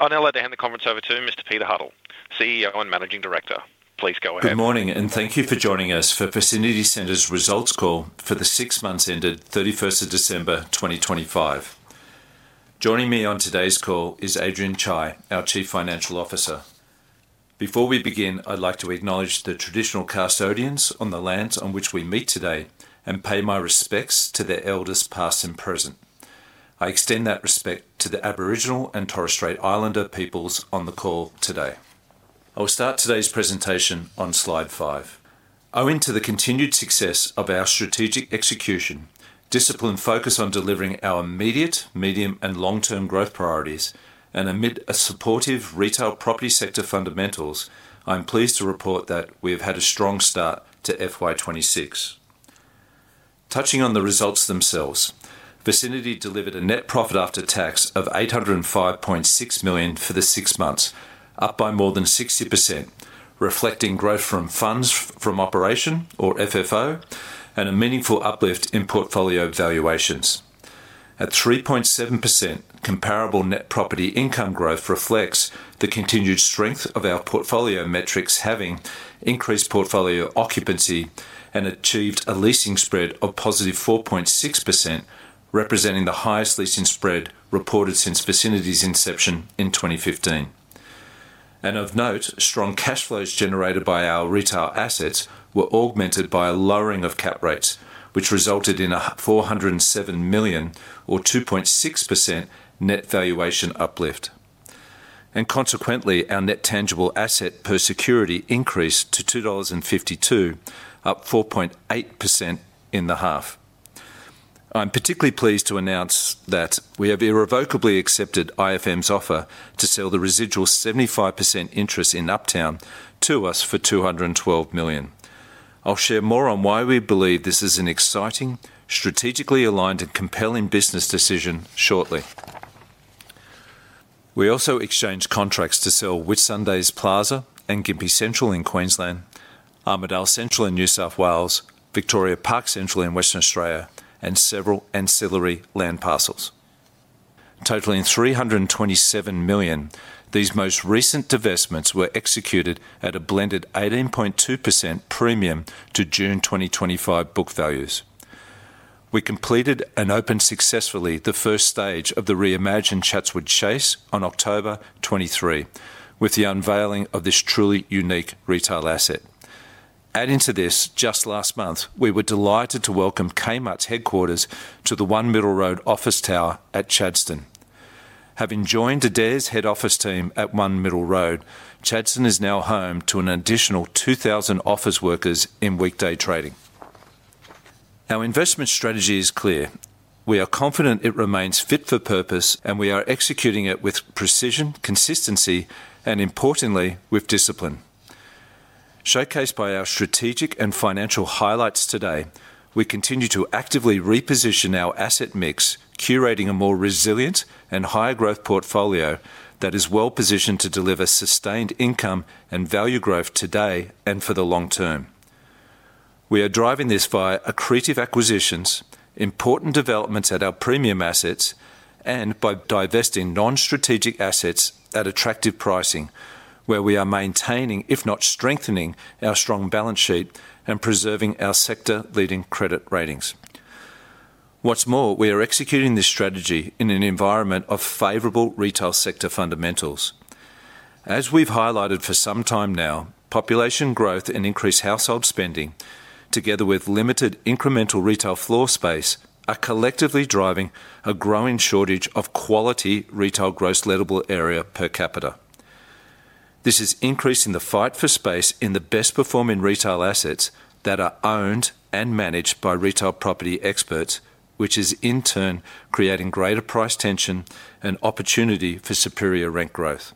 I'll now like to hand the conference over to Mr. Peter Huddle, CEO and Managing Director. Please go ahead. Good morning, and thank you for joining us for Vicinity Centres' results call for the six months ended 31st of December 2025. Joining me on today's call is Adrian Chye, our Chief Financial Officer. Before we begin, I'd like to acknowledge the traditional custodians on the lands on which we meet today and pay my respects to the elders, past and present. I extend that respect to the Aboriginal and Torres Strait Islander peoples on the call today. I'll start today's presentation on slide 5. Owing to the continued success of our strategic execution, discipline focus on delivering our immediate, medium, and long-term growth priorities, and amid a supportive retail property sector fundamentals, I'm pleased to report that we have had a strong start to FY 2026. Touching on the results themselves, Vicinity delivered a net profit after tax of 805.6 million for the six months, up by more than 60%, reflecting growth from Funds From Operations or FFO, and a meaningful uplift in portfolio valuations. At 3.7%, comparable net property income growth reflects the continued strength of our portfolio metrics, having increased portfolio occupancy and achieved a leasing spread of +4.6%, representing the highest leasing spread reported since Vicinity's inception in 2015. Of note, strong cash flows generated by our retail assets were augmented by a lowering of cap rates, which resulted in 407 million or 2.6% net valuation uplift. Consequently, our net tangible asset per security increased to 2.52 dollars, up 4.8% in the half. I'm particularly pleased to announce that we have irrevocably accepted IFM's offer to sell the residual 75% interest in Uptown to us for 212 million. I'll share more on why we believe this is an exciting, strategically aligned, and compelling business decision shortly. We also exchanged contracts to sell Whitsunday Plaza and Gympie Central in Queensland, Armidale Central in New South Wales, Victoria Park Central in Western Australia, and several ancillary land parcels. Totaling 327 million, these most recent divestments were executed at a blended 18.2% premium to June 2025 book values. We completed and opened successfully the first stage of the reimagined Chatswood Chase on 23 October, with the unveiling of this truly unique retail asset. Adding to this, just last month, we were delighted to welcome Kmart's headquarters to the One Middle Road office tower at Chadstone. Having joined Adairs' head office team at One Middle Road, Chadstone is now home to an additional 2,000 office workers in weekday trading. Our investment strategy is clear. We are confident it remains fit for purpose, and we are executing it with precision, consistency, and importantly, with discipline. Showcased by our strategic and financial highlights today, we continue to actively reposition our asset mix, curating a more resilient and higher growth portfolio that is well-positioned to deliver sustained income and value growth today and for the long term. We are driving this via accretive acquisitions, important developments at our premium assets, and by divesting non-strategic assets at attractive pricing, where we are maintaining, if not strengthening, our strong balance sheet and preserving our sector-leading credit ratings. What's more, we are executing this strategy in an environment of favorable retail sector fundamentals. As we've highlighted for some time now, population growth and increased household spending, together with limited incremental retail floor space, are collectively driving a growing shortage of quality retail gross lettable area per capita. This is increasing the fight for space in the best-performing retail assets that are owned and managed by retail property experts, which is in turn creating greater price tension and opportunity for superior rent growth.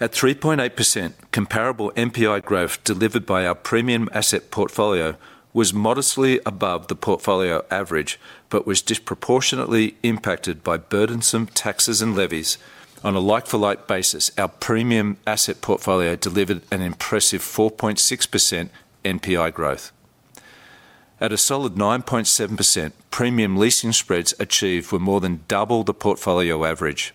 At 3.8%, comparable NPI growth delivered by our premium asset portfolio was modestly above the portfolio average, but was disproportionately impacted by burdensome taxes and levies. On a like-for-like basis, our premium asset portfolio delivered an impressive 4.6% NPI growth. At a solid 9.7%, premium leasing spreads achieved were more than double the portfolio average.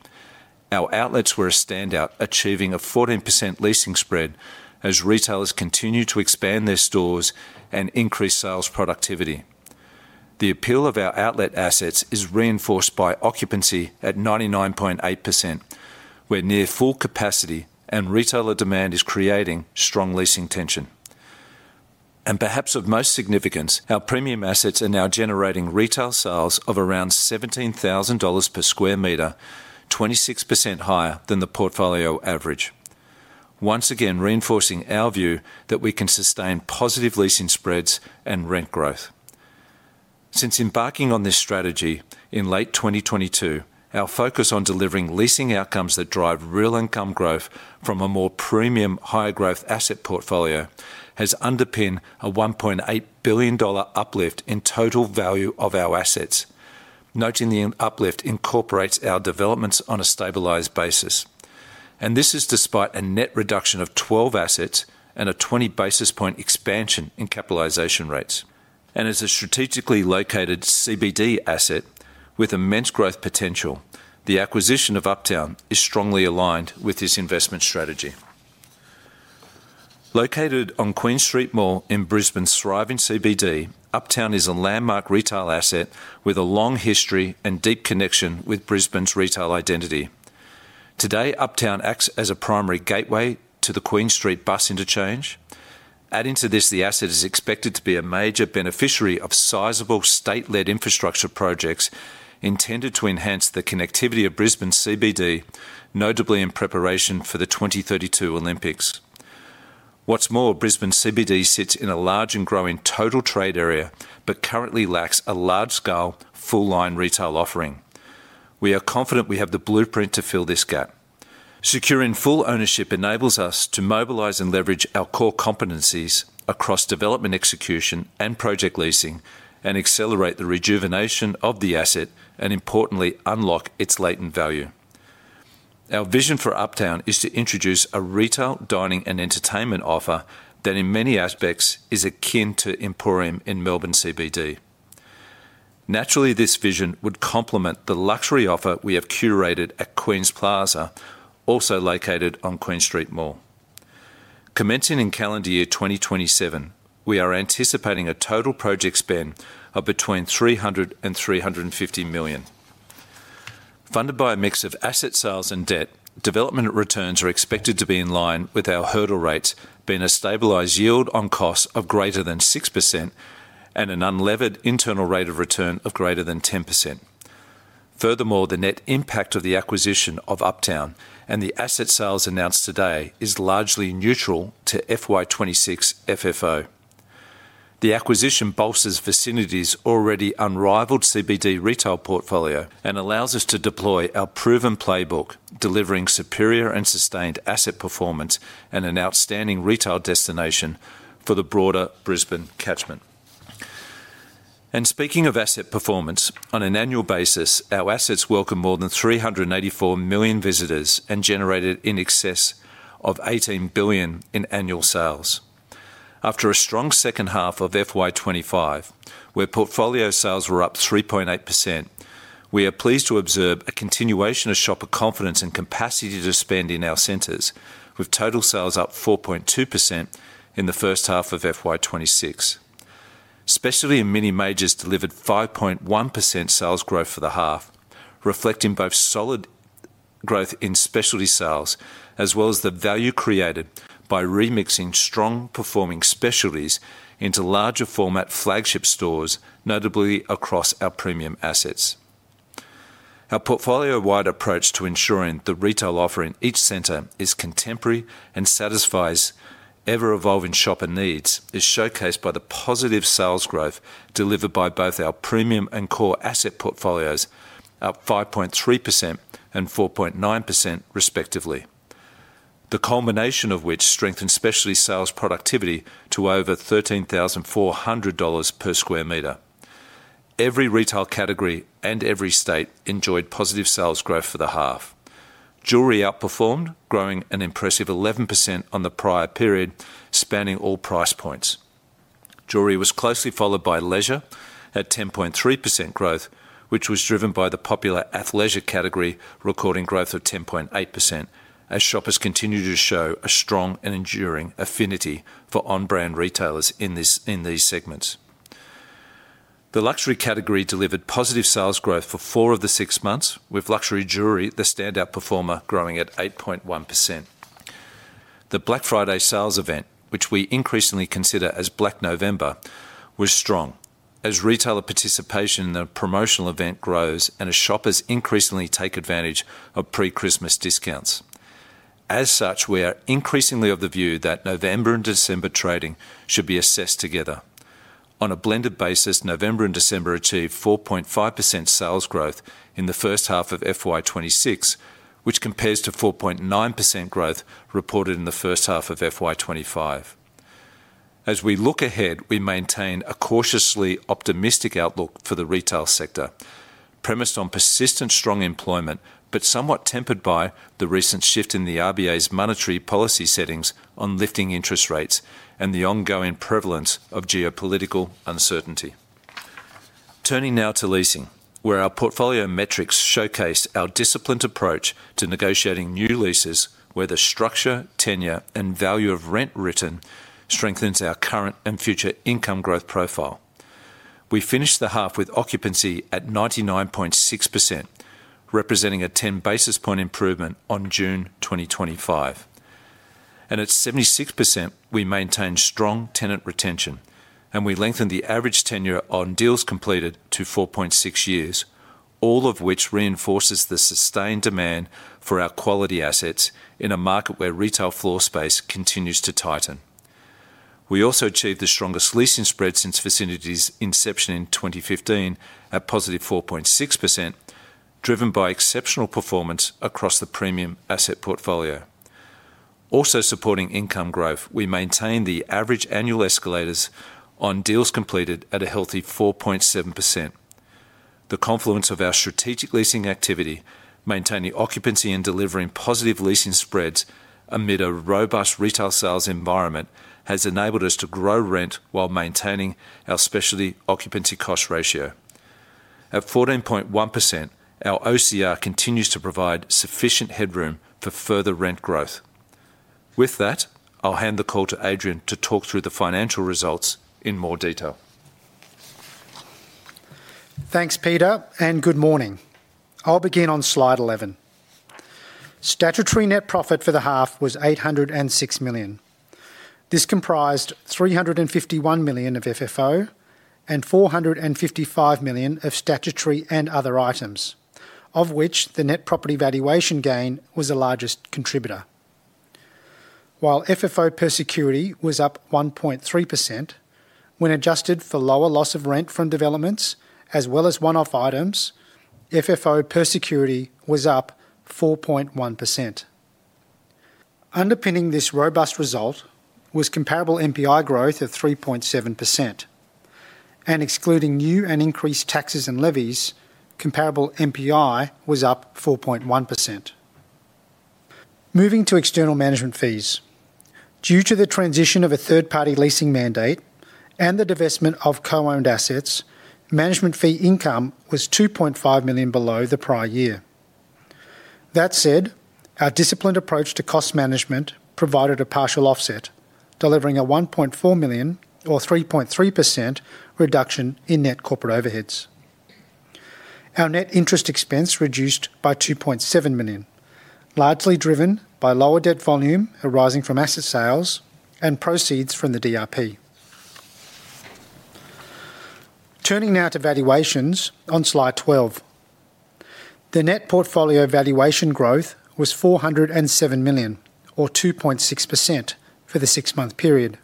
Our outlets were a standout, achieving a 14% leasing spread as retailers continue to expand their stores and increase sales productivity. The appeal of our outlet assets is reinforced by occupancy at 99.8%, where near full capacity and retailer demand is creating strong leasing tension. Perhaps of most significance, our premium assets are now generating retail sales of around 17,000 dollars per sq m, 26% higher than the portfolio average. Once again, reinforcing our view that we can sustain positive leasing spreads and rent growth. Since embarking on this strategy in late 2022, our focus on delivering leasing outcomes that drive real income growth from a more premium, higher growth asset portfolio has underpinned an 1.8 billion dollar uplift in total value of our assets, noting the uplift incorporates our developments on a stabilized basis. This is despite a net reduction of 12 assets and a 20 basis points expansion in capitalization rates. As a strategically located CBD asset with immense growth potential, the acquisition of Uptown is strongly aligned with this investment strategy. Located on Queen Street Mall in Brisbane's thriving CBD, Uptown is a landmark retail asset with a long history and deep connection with Brisbane's retail identity. Today, Uptown acts as a primary gateway to the Queen Street Bus Interchange. Adding to this, the asset is expected to be a major beneficiary of sizable state-led infrastructure projects intended to enhance the connectivity of Brisbane CBD, notably in preparation for the 2032 Olympics. What's more, Brisbane CBD sits in a large and growing total trade area, but currently lacks a large-scale, full-line retail offering. We are confident we have the blueprint to fill this gap. Securing full ownership enables us to mobilize and leverage our core competencies across development, execution, and project leasing, and accelerate the rejuvenation of the asset, and importantly, unlock its latent value. Our vision for Uptown is to introduce a retail, dining, and entertainment offer that, in many aspects, is akin to Emporium in Melbourne CBD. Naturally, this vision would complement the luxury offer we have curated at QueensPlaza, also located on Queen Street Mall. Commencing in calendar year 2027, we are anticipating a total project spend of between 300 million and 350 million. Funded by a mix of asset sales and debt, development returns are expected to be in line with our hurdle rates, being a stabilized yield on costs of greater than 6% and an unlevered internal rate of return of greater than 10%. Furthermore, the net impact of the acquisition of Uptown and the asset sales announced today is largely neutral to FY 2026 FFO. The acquisition bolsters Vicinity's already unrivaled CBD retail portfolio and allows us to deploy our proven playbook, delivering superior and sustained asset performance and an outstanding retail destination for the broader Brisbane catchment. And speaking of asset performance, on an annual basis, our assets welcome more than 384 million visitors and generated in excess of 18 billion in annual sales. After a strong H2 of FY 2025, where portfolio sales were up 3.8%, we are pleased to observe a continuation of shopper confidence and capacity to spend in our centers, with total sales up 4.2% in the H1 of FY 2026. Specialty and mini majors delivered 5.1% sales growth for the half, reflecting both solid growth in specialty sales, as well as the value created by remixing strong-performing specialties into larger format flagship stores, notably across our premium assets. Our portfolio-wide approach to ensuring the retail offer in each center is contemporary and satisfies ever-evolving shopper needs, is showcased by the positive sales growth delivered by both our premium and core asset portfolios, up 5.3% and 4.9% respectively. The culmination of which strengthened specialty sales productivity to over 13,400 dollars per sq m. Every retail category and every state enjoyed positive sales growth for the half. Jewelry outperformed, growing an impressive 11% on the prior period, spanning all price points. Jewelry was closely followed by leisure at 10.3% growth, which was driven by the popular athleisure category, recording growth of 10.8%, as shoppers continued to show a strong and enduring affinity for on-brand retailers in this, in these segments. The luxury category delivered positive sales growth for four of the six months, with luxury jewelry the standout performer, growing at 8.1%. The Black Friday sales event, which we increasingly consider as Black November, was strong, as retailer participation in the promotional event grows and as shoppers increasingly take advantage of pre-Christmas discounts. As such, we are increasingly of the view that November and December trading should be assessed together. On a blended basis, November and December achieved 4.5% sales growth in the H1 of FY 2026, which compares to 4.9% growth reported in the H1 of FY 2025. As we look ahead, we maintain a cautiously optimistic outlook for the retail sector, premised on persistent strong employment, but somewhat tempered by the recent shift in the RBA's monetary policy settings on lifting interest rates and the ongoing prevalence of geopolitical uncertainty. Turning now to leasing, where our portfolio metrics showcase our disciplined approach to negotiating new leases, where the structure, tenure, and value of rent written strengthens our current and future income growth profile. We finished the half with occupancy at 99.6%, representing a 10 basis point improvement on June 2025. At 76%, we maintained strong tenant retention, and we lengthened the average tenure on deals completed to 4.6 years, all of which reinforces the sustained demand for our quality assets in a market where retail floor space continues to tighten. We also achieved the strongest leasing spread since Vicinity's inception in 2015 at +4.6%, driven by exceptional performance across the premium asset portfolio. Also supporting income growth, we maintain the average annual escalators on deals completed at a healthy 4.7%. The confluence of our strategic leasing activity, maintaining occupancy and delivering positive leasing spreads amid a robust retail sales environment, has enabled us to grow rent while maintaining our specialty occupancy cost ratio. At 14.1%, our OCR continues to provide sufficient headroom for further rent growth. With that, I'll hand the call to Adrian to talk through the financial results in more detail. Thanks, Peter, and good morning. I'll begin on slide 11. Statutory net profit for the half was AUD 806 million. This comprised AUD 351 million of FFO and AUD 455 million of statutory and other items, of which the net property valuation gain was the largest contributor. While FFO per security was up 1.3%, when adjusted for lower loss of rent from developments as well as one-off items, FFO per security was up 4.1%. Underpinning this robust result was comparable NPI growth of 3.7%, and excluding new and increased taxes and levies, comparable NPI was up 4.1%. Moving to external management fees. Due to the transition of a third-party leasing mandate and the divestment of co-owned assets, management fee income was 2.5 million below the prior year. That said, our disciplined approach to cost management provided a partial offset, delivering a 1.4 million or 3.3% reduction in net corporate overheads. Our net interest expense reduced by 2.7 million, largely driven by lower debt volume arising from asset sales and proceeds from the DRP. Turning now to valuations on slide 12. The net portfolio valuation growth was 407 million or 2.6% for the six-month period.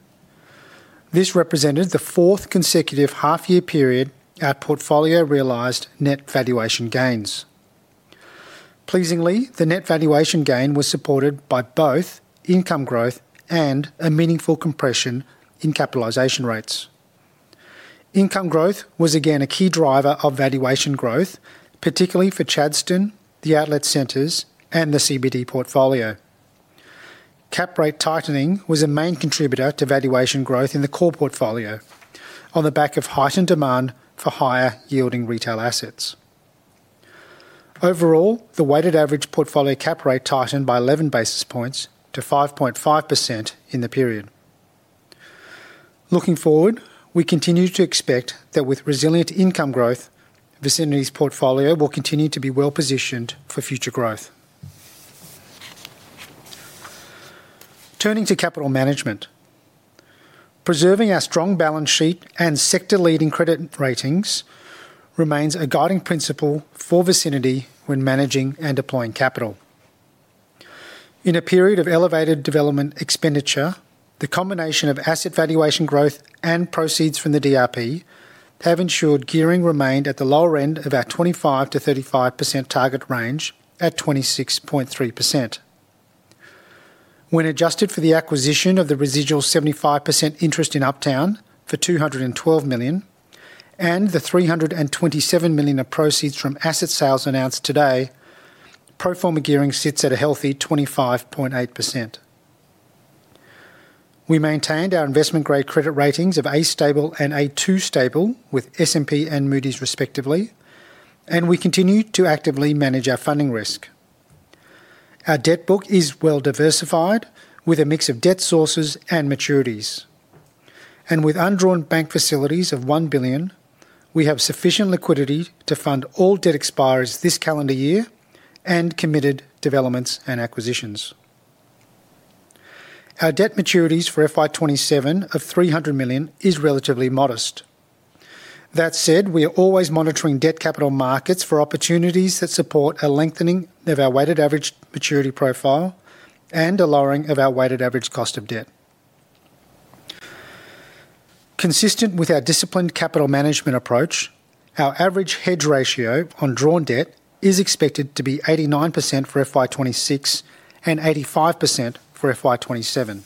This represented the fourth consecutive half-year period our portfolio realized net valuation gains. Pleasingly, the net valuation gain was supported by both income growth and a meaningful compression in capitalization rates. Income growth was again a key driver of valuation growth, particularly for Chadstone, the outlet centers, and the CBD portfolio. Cap rate tightening was a main contributor to valuation growth in the core portfolio on the back of heightened demand for higher-yielding retail assets. Overall, the weighted average portfolio cap rate tightened by 11 basis points to 5.5% in the period. Looking forward, we continue to expect that with resilient income growth, Vicinity's portfolio will continue to be well-positioned for future growth. Turning to capital management. Preserving our strong balance sheet and sector-leading credit ratings remains a guiding principle for Vicinity when managing and deploying capital. In a period of elevated development expenditure, the combination of asset valuation growth and proceeds from the DRP have ensured gearing remained at the lower end of our 25%-35% target range at 26.3%. When adjusted for the acquisition of the residual 75% interest in Uptown for 212 million, and the 327 million of proceeds from asset sales announced today, pro forma gearing sits at a healthy 25.8%. We maintained our investment-grade credit ratings of A stable and A2 stable with S&P and Moody's respectively, and we continued to actively manage our funding risk. Our debt book is well diversified, with a mix of debt sources and maturities. And with undrawn bank facilities of AUD 1 billion, we have sufficient liquidity to fund all debt expires this calendar year and committed developments and acquisitions. Our debt maturities for FY 2027 of 300 million is relatively modest. That said, we are always monitoring debt capital markets for opportunities that support a lengthening of our weighted average maturity profile and a lowering of our weighted average cost of debt. Consistent with our disciplined capital management approach, our average hedge ratio on drawn debt is expected to be 89% for FY 2026 and 85% for FY 2027.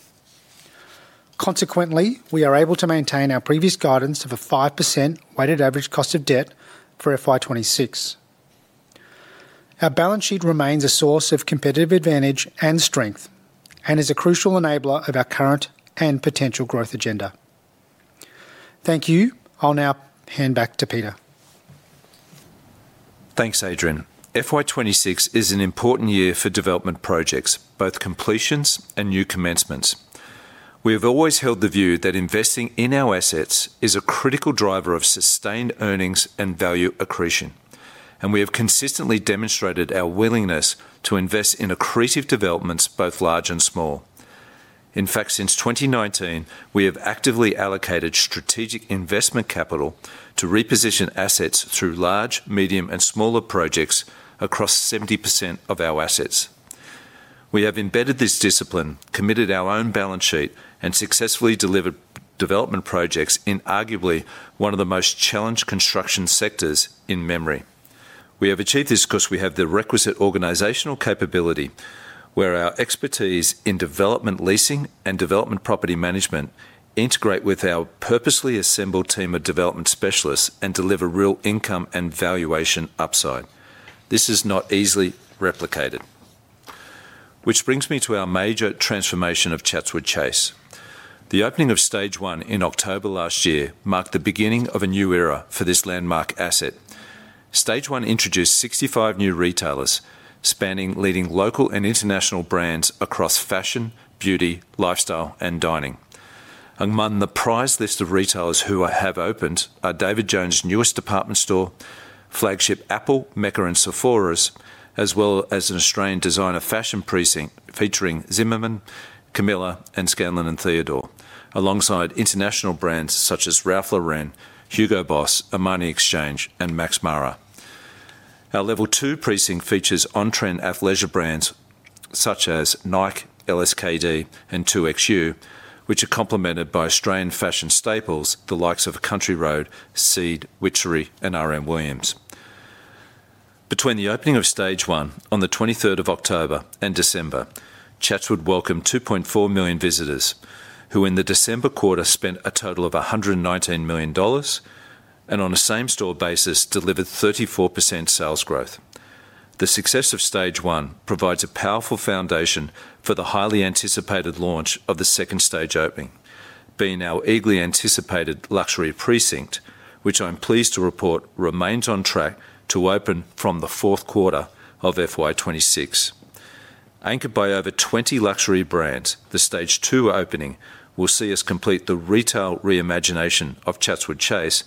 Consequently, we are able to maintain our previous guidance of a 5% weighted average cost of debt for FY 2026. Our balance sheet remains a source of competitive advantage and strength and is a crucial enabler of our current and potential growth agenda. Thank you. I'll now hand back to Peter. Thanks, Adrian. FY 2026 is an important year for development projects, both completions and new commencements. We have always held the view that investing in our assets is a critical driver of sustained earnings and value accretion, and we have consistently demonstrated our willingness to invest in accretive developments, both large and small. In fact, since 2019, we have actively allocated strategic investment capital to reposition assets through large, medium, and smaller projects across 70% of our assets. We have embedded this discipline, committed our own balance sheet, and successfully delivered development projects in arguably one of the most challenged construction sectors in memory. We have achieved this because we have the requisite organizational capability, where our expertise in development leasing and development property management integrate with our purposely assembled team of development specialists and deliver real income and valuation upside. This is not easily replicated. Which brings me to our major transformation of Chatswood Chase. The opening of Stage One in October last year marked the beginning of a new era for this landmark asset. Stage One introduced 65 new retailers, spanning leading local and international brands across fashion, beauty, lifestyle, and dining. Among the prize list of retailers who are, have opened are David Jones' newest department store, flagship Apple, Mecca and Sephora, as well as an Australian designer fashion precinct featuring Zimmermann, Camilla, and Scanlan Theodore, alongside international brands such as Ralph Lauren, Hugo Boss, Armani Exchange, and Max Mara. Our Level Two precinct features on-trend athleisure brands such as Nike, LSKD, and 2XU, which are complemented by Australian fashion staples, the likes of Country Road, Seed, Witchery, and R.M. Williams. Between the opening of Stage One on the twenty-third of October and December, Chatswood Chase welcomed 2.4 million visitors, who in the December quarter spent a total of 119 million dollars, and on a same-store basis, delivered 34% sales growth. The success of Stage One provides a powerful foundation for the highly anticipated launch of the second stage opening, being our eagerly anticipated luxury precinct, which I'm pleased to report remains on track to open from the fourth quarter of FY 2026. Anchored by over 20 luxury brands, the Stage Two opening will see us complete the retail re-imagination of Chatswood Chase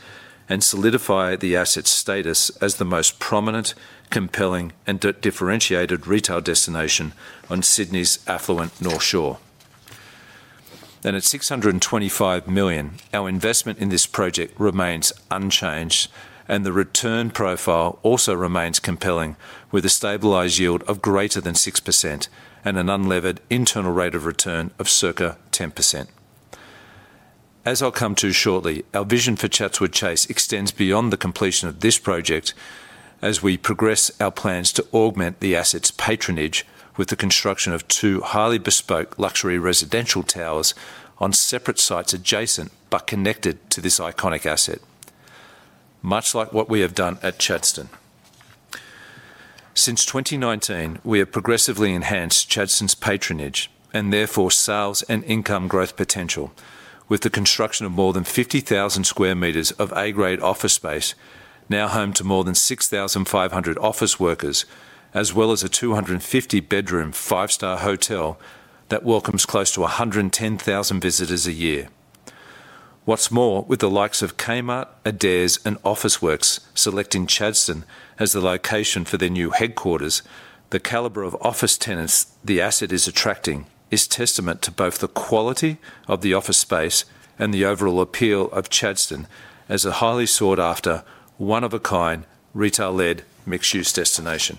and solidify the asset's status as the most prominent, compelling, and differentiated retail destination on Sydney's affluent North Shore. At 625 million, our investment in this project remains unchanged, and the return profile also remains compelling, with a stabilized yield of greater than 6% and an unlevered internal rate of return of circa 10%. As I'll come to shortly, our vision for Chatswood Chase extends beyond the completion of this project as we progress our plans to augment the asset's patronage with the construction of two highly bespoke luxury residential towers on separate sites adjacent but connected to this iconic asset, much like what we have done at Chadstone. Since 2019, we have progressively enhanced Chadstone's patronage, and therefore, sales and income growth potential, with the construction of more than 50,000 sq m of A-grade office space, now home to more than 6,500 office workers, as well as a 250-bedroom, five-star hotel that welcomes close to 110,000 visitors a year. What's more, with the likes of Kmart, Adairs, and Officeworks selecting Chadstone as the location for their new headquarters, the caliber of office tenants the asset is attracting is testament to both the quality of the office space and the overall appeal of Chadstone as a highly sought-after, one-of-a-kind, retail-led, mixed-use destination.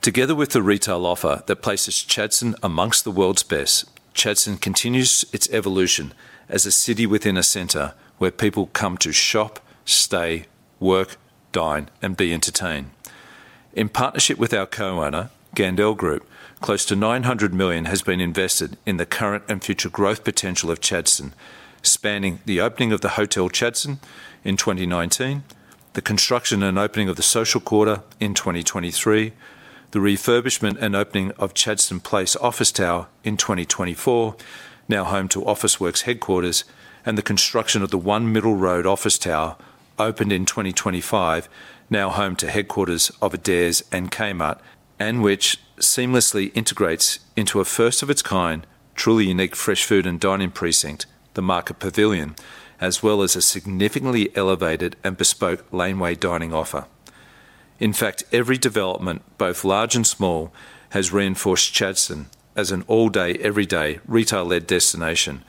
Together with the retail offer that places Chadstone amongst the world's best, Chadstone continues its evolution as a city within a center, where people come to shop, stay, work, dine, and be entertained. In partnership with our co-owner, Gandel Group, close to 900 million has been invested in the current and future growth potential of Chadstone, spanning the opening of the Hotel Chadstone in 2019, the construction and opening of the Social Quarter in 2023, the refurbishment and opening of Chadstone Place office tower in 2024, now home to Officeworks headquarters, and the construction of the One Middle Road office tower, opened in 2025, now home to headquarters of Adairs and Kmart, and which seamlessly integrates into a first-of-its-kind, truly unique fresh food and dining precinct, the Market Pavilion, as well as a significantly elevated and bespoke laneway dining offer. In fact, every development, both large and small, has reinforced Chadstone as an all-day, every-day, retail-led destination.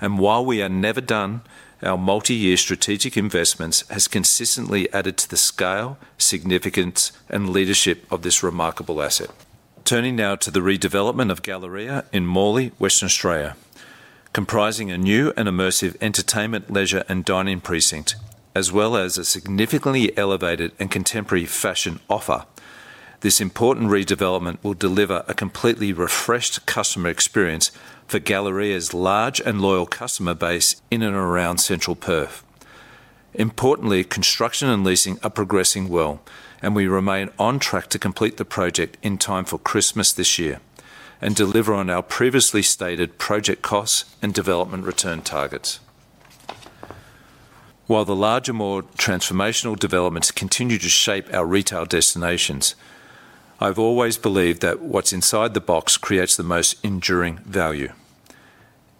While we are never done, our multi-year strategic investments has consistently added to the scale, significance, and leadership of this remarkable asset. Turning now to the redevelopment of Galleria in Morley, Western Australia. Comprising a new and immersive entertainment, leisure, and dining precinct, as well as a significantly elevated and contemporary fashion offer, this important redevelopment will deliver a completely refreshed customer experience for Galleria's large and loyal customer base in and around central Perth. Importantly, construction and leasing are progressing well, and we remain on track to complete the project in time for Christmas this year and deliver on our previously stated project costs and development return targets. While the larger, more transformational developments continue to shape our retail destinations, I've always believed that what's inside the box creates the most enduring value.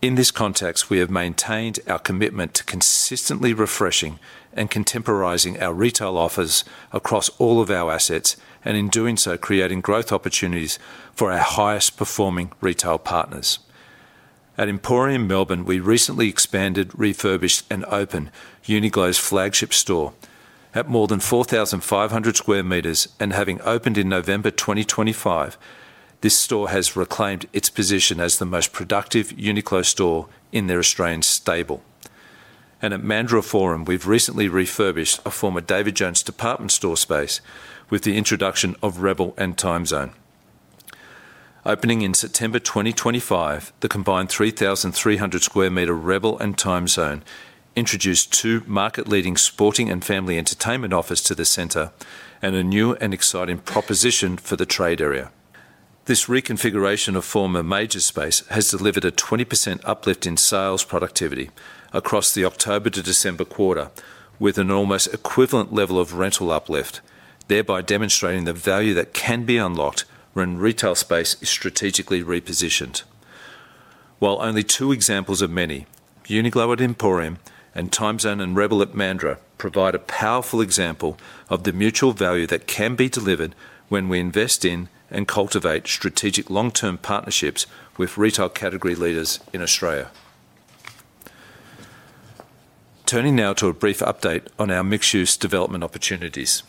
In this context, we have maintained our commitment to consistently refreshing and contemporizing our retail offers across all of our assets, and in doing so, creating growth opportunities for our highest-performing retail partners. At Emporium Melbourne, we recently expanded, refurbished, and opened Uniqlo's flagship store. At more than 4,500 sq m and having opened in November 2025. This store has reclaimed its position as the most productive Uniqlo store in their Australian stable. At Mandurah Forum, we've recently refurbished a former David Jones department store space with the introduction of Rebel and Timezone. Opening in September 2025, the combined 3,300 sq m Rebel and Timezone introduced two market-leading sporting and family entertainment offers to the center, and a new and exciting proposition for the trade area. This reconfiguration of former major space has delivered a 20% uplift in sales productivity across the October to December quarter, with an almost equivalent level of rental uplift, thereby demonstrating the value that can be unlocked when retail space is strategically repositioned. While only two examples of many, Uniqlo at Emporium and Timezone and Rebel at Mandurah provide a powerful example of the mutual value that can be delivered when we invest in and cultivate strategic long-term partnerships with retail category leaders in Australia. Turning now to a brief update on our mixed-use development opportunities.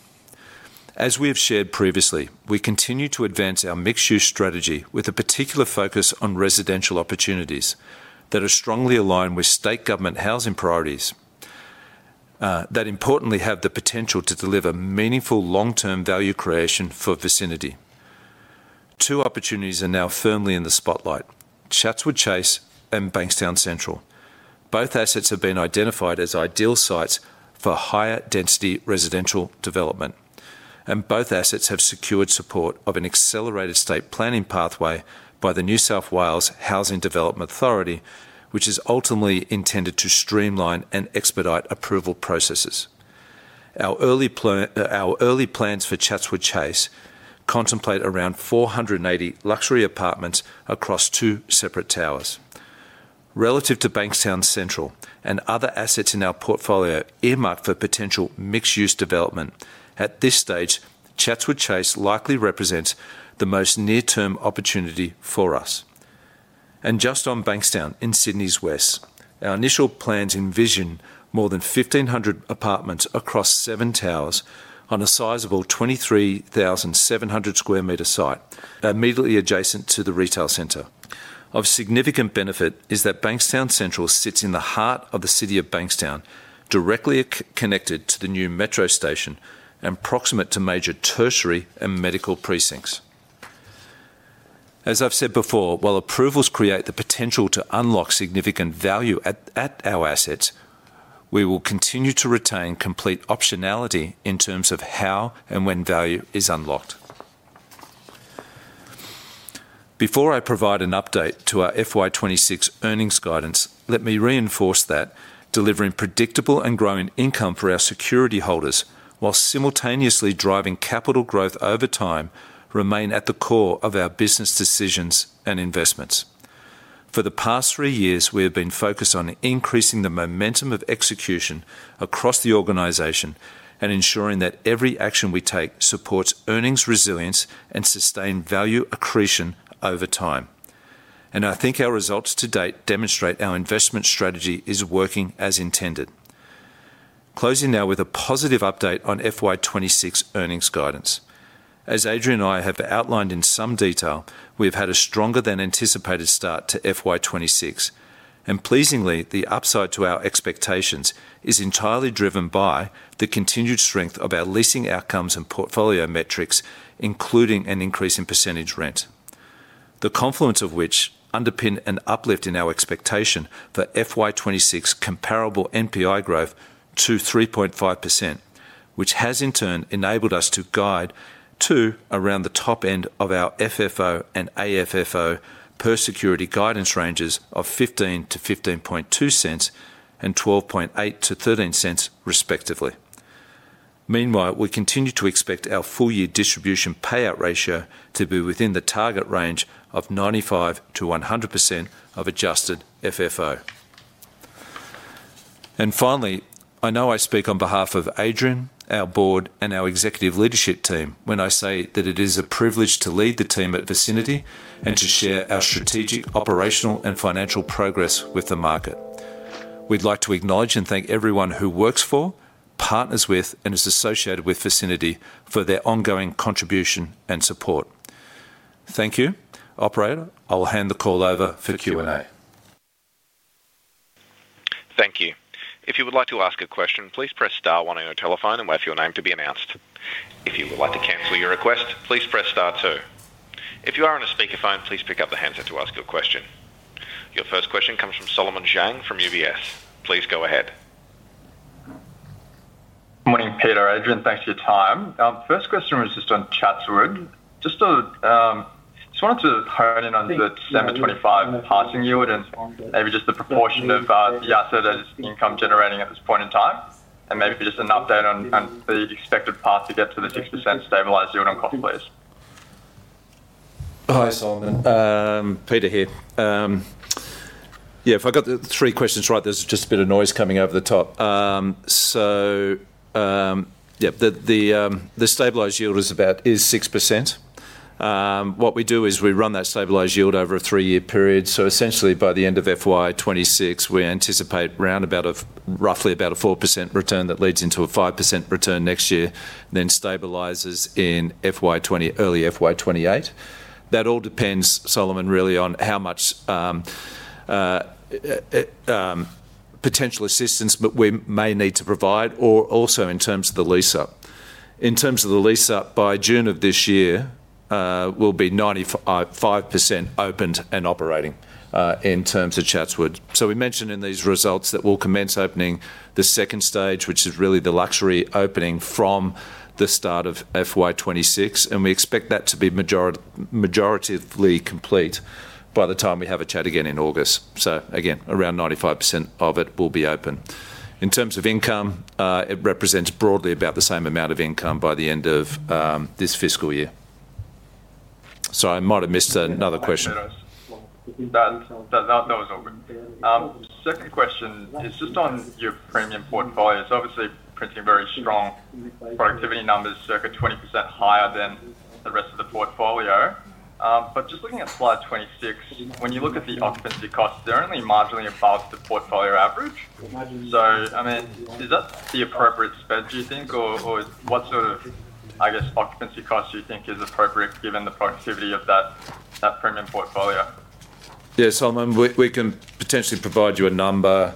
As we have shared previously, we continue to advance our mixed-use strategy with a particular focus on residential opportunities that are strongly aligned with state government housing priorities, that importantly, have the potential to deliver meaningful long-term value creation for Vicinity. Two opportunities are now firmly in the spotlight: Chatswood Chase and Bankstown Central. Both assets have been identified as ideal sites for higher density residential development, and both assets have secured support of an accelerated state planning pathway by the New South Wales Housing Development Authority, which is ultimately intended to streamline and expedite approval processes. Our early plans for Chatswood Chase contemplate around 480 luxury apartments across two separate towers. Relative to Bankstown Central and other assets in our portfolio earmarked for potential mixed-use development, at this stage, Chatswood Chase likely represents the most near-term opportunity for us. Just on Bankstown, in Sydney's west, our initial plans envision more than 1,500 apartments across seven towers on a sizable 23,700 sq m site, immediately adjacent to the retail center. Of significant benefit is that Bankstown Central sits in the heart of the city of Bankstown, directly connected to the new metro station and proximate to major tertiary and medical precincts. As I've said before, while approvals create the potential to unlock significant value at our assets, we will continue to retain complete optionality in terms of how and when value is unlocked. Before I provide an update to our FY 2026 earnings guidance, let me reinforce that delivering predictable and growing income for our security holders, while simultaneously driving capital growth over time, remain at the core of our business decisions and investments. For the past three years, we have been focused on increasing the momentum of execution across the organization and ensuring that every action we take supports earnings resilience and sustained value accretion over time. I think our results to date demonstrate our investment strategy is working as intended. Closing now with a positive update on FY 2026 earnings guidance. As Adrian and I have outlined in some detail, we've had a stronger than anticipated start to FY 2026, and pleasingly, the upside to our expectations is entirely driven by the continued strength of our leasing outcomes and portfolio metrics, including an increase in percentage rent. The confluence of which underpin an uplift in our expectation for FY 2026 comparable NPI growth to 3.5%, which has in turn enabled us to guide to around the top end of our FFO and AFFO per security guidance ranges of 0.15-0.152 and 0.128-0.13, respectively. Meanwhile, we continue to expect our full-year distribution payout ratio to be within the target range of 95%-100% of adjusted FFO. And finally, I know I speak on behalf of Adrian, our board, and our executive leadership team when I say that it is a privilege to lead the team at Vicinity and to share our strategic, operational, and financial progress with the market. We'd like to acknowledge and thank everyone who works for, partners with, and is associated with Vicinity for their ongoing contribution and support. Thank you. Operator, I will hand the call over for Q&A. Thank you. If you would like to ask a question, please press star one on your telephone and wait for your name to be announced. If you would like to cancel your request, please press star two. If you are on a speakerphone, please pick up the handset to ask your question. Your first question comes from Solomon Xiang from UBS. Please go ahead. Morning, Peter, Adrian. Thanks for your time. First question was just on Chatswood. Just wanted to hone in on the 25 December passing yield, and maybe just the proportion of the asset that is income generating at this point in time, and maybe just an update on the expected path to get to the 6% stabilized yield on cost, please. Hi, Solomon. Peter here. Yeah, if I got the three questions right, there's just a bit of noise coming over the top. So, yep, the stabilized yield is about- is 6%. What we do is we run that stabilized yield over a three year period. So essentially, by the end of FY 2026, we anticipate round about of roughly about a 4% return that leads into a 5% return next year then stabilizes in early FY 2028. That all depends, Solomon, really on how much potential assistance but we may need to provide, or also in terms of the lease-up. In terms of the lease-up, by June of this year, we'll be 95% opened and operating, in terms of Chatswood. So we mentioned in these results that we'll commence opening the second stage, which is really the luxury opening from the start of FY 2026, and we expect that to be majority- majoritively complete by the time we have a chat again in August. So again, around 95% of it will be open. In terms of income, it represents broadly about the same amount of income by the end of this fiscal year. So I might have missed another question. That was all good. Second question is just on your premium portfolio. It's obviously printing very strong productivity numbers, circa 20% higher than the rest of the portfolio. But just looking at slide 26, when you look at the occupancy costs, they're only marginally above the portfolio average. So I mean, is that the appropriate spend, do you think, or what sort of, I guess, occupancy cost do you think is appropriate given the productivity of that premium portfolio? Yeah, Solomon, we, we can potentially provide you a number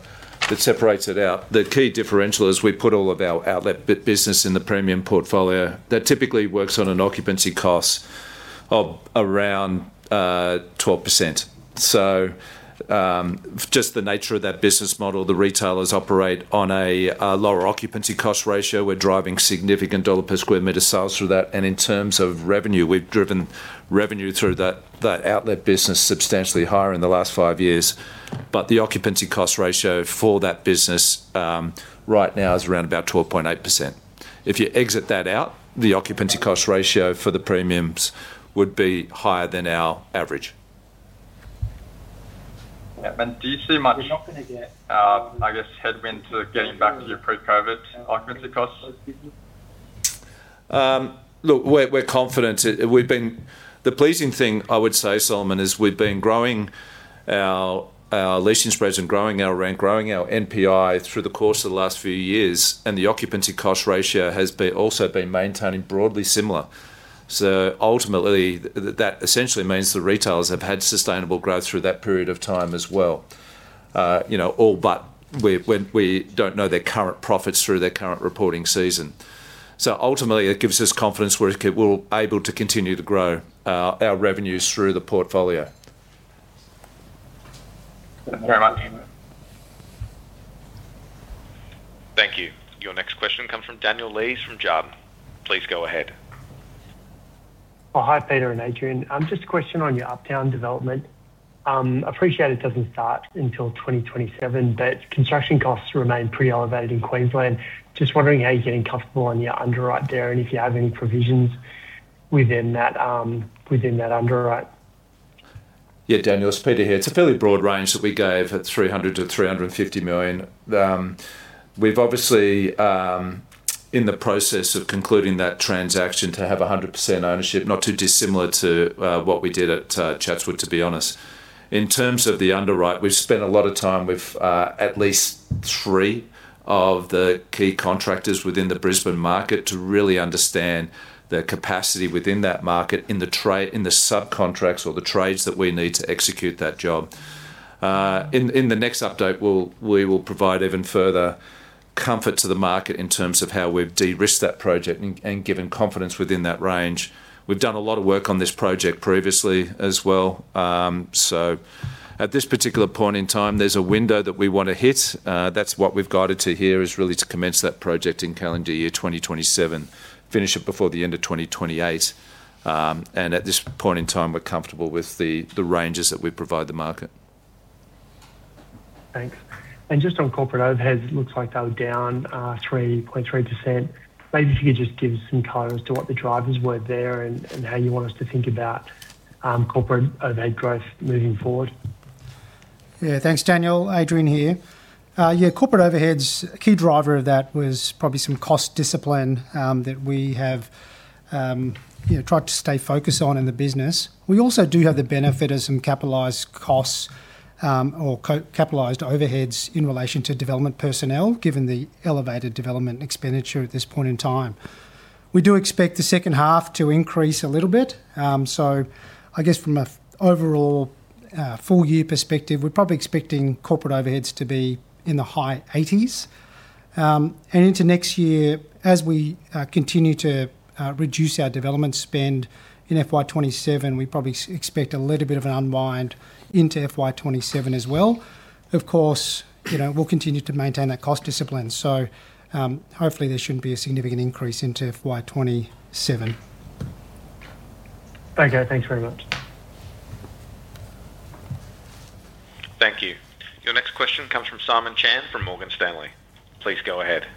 that separates it out. The key differential is we put all of our outlet bi- business in the premium portfolio. That typically works on an occupancy cost of around 12%. So, just the nature of that business model, the retailers operate on a lower occupancy cost ratio. We're driving significant dollar per sq m sales through that, and in terms of revenue, we've driven revenue through that, that outlet business substantially higher in the last five years. But the occupancy cost ratio for that business, right now is around about 12.8%. If you exit that out, the occupancy cost ratio for the premiums would be higher than our average. Yeah. And do you see much, I guess, headwind to getting back to your pre-COVID occupancy costs? Look, we're confident. We've been the pleasing thing I would say, Solomon, is we've been growing our leasing spreads and growing our rent, growing our NPI through the course of the last few years, and the occupancy cost ratio has also been maintaining broadly similar. So ultimately, that essentially means the retailers have had sustainable growth through that period of time as well. You know, all but we don't know their current profits through their current reporting season. So ultimately, it gives us confidence we're able to continue to grow our revenues through the portfolio. Thank you very much. Thank you. Your next question comes from Daniel Lee, from Jarden. Please go ahead. Oh, hi, Peter and Adrian. Just a question on your Uptown development. Appreciate it doesn't start until 2027, but construction costs remain pretty elevated in Queensland. Just wondering how you're getting comfortable on your underwrite there, and if you have any provisions within that, within that underwrite? Yeah, Daniel, it's Peter here. It's a fairly broad range that we gave at 300 million to 350 million. We've obviously in the process of concluding that transaction to have 100% ownership, not too dissimilar to what we did at Chatswood, to be honest. In terms of the underwrite, we've spent a lot of time with at least three of the key contractors within the Brisbane market to really understand the capacity within that market, in the subcontracts or the trades that we need to execute that job. In the next update, we will provide even further comfort to the market in terms of how we've de-risked that project and given confidence within that range. We've done a lot of work on this project previously as well. At this particular point in time, there's a window that we want to hit. That's what we've guided to here, is really to commence that project in calendar year 2027, finish it before the end of 2028. At this point in time, we're comfortable with the, the ranges that we provide the market. Thanks. And just on corporate overheads, it looks like they were down 3.3%. Maybe if you could just give us some color as to what the drivers were there and how you want us to think about corporate overhead growth moving forward. Yeah. Thanks, Daniel. Adrian here. Yeah, corporate overheads, a key driver of that was probably some cost discipline, that we have, you know, tried to stay focused on in the business. We also do have the benefit of some capitalized costs, or co-capitalized overheads in relation to development personnel, given the elevated development expenditure at this point in time. We do expect the H2 to increase a little bit. So I guess from an overall, full year perspective, we're probably expecting corporate overheads to be in the high 80s. And into next year, as we continue to reduce our development spend in FY 2027, we probably expect a little bit of an unwind into FY 2027 as well. Of course, you know, we'll continue to maintain that cost discipline. Hopefully, there shouldn't be a significant increase into FY 2027. Okay. Thanks very much. Thank you. Your next question comes from Simon Chan, from Morgan Stanley. Please go ahead.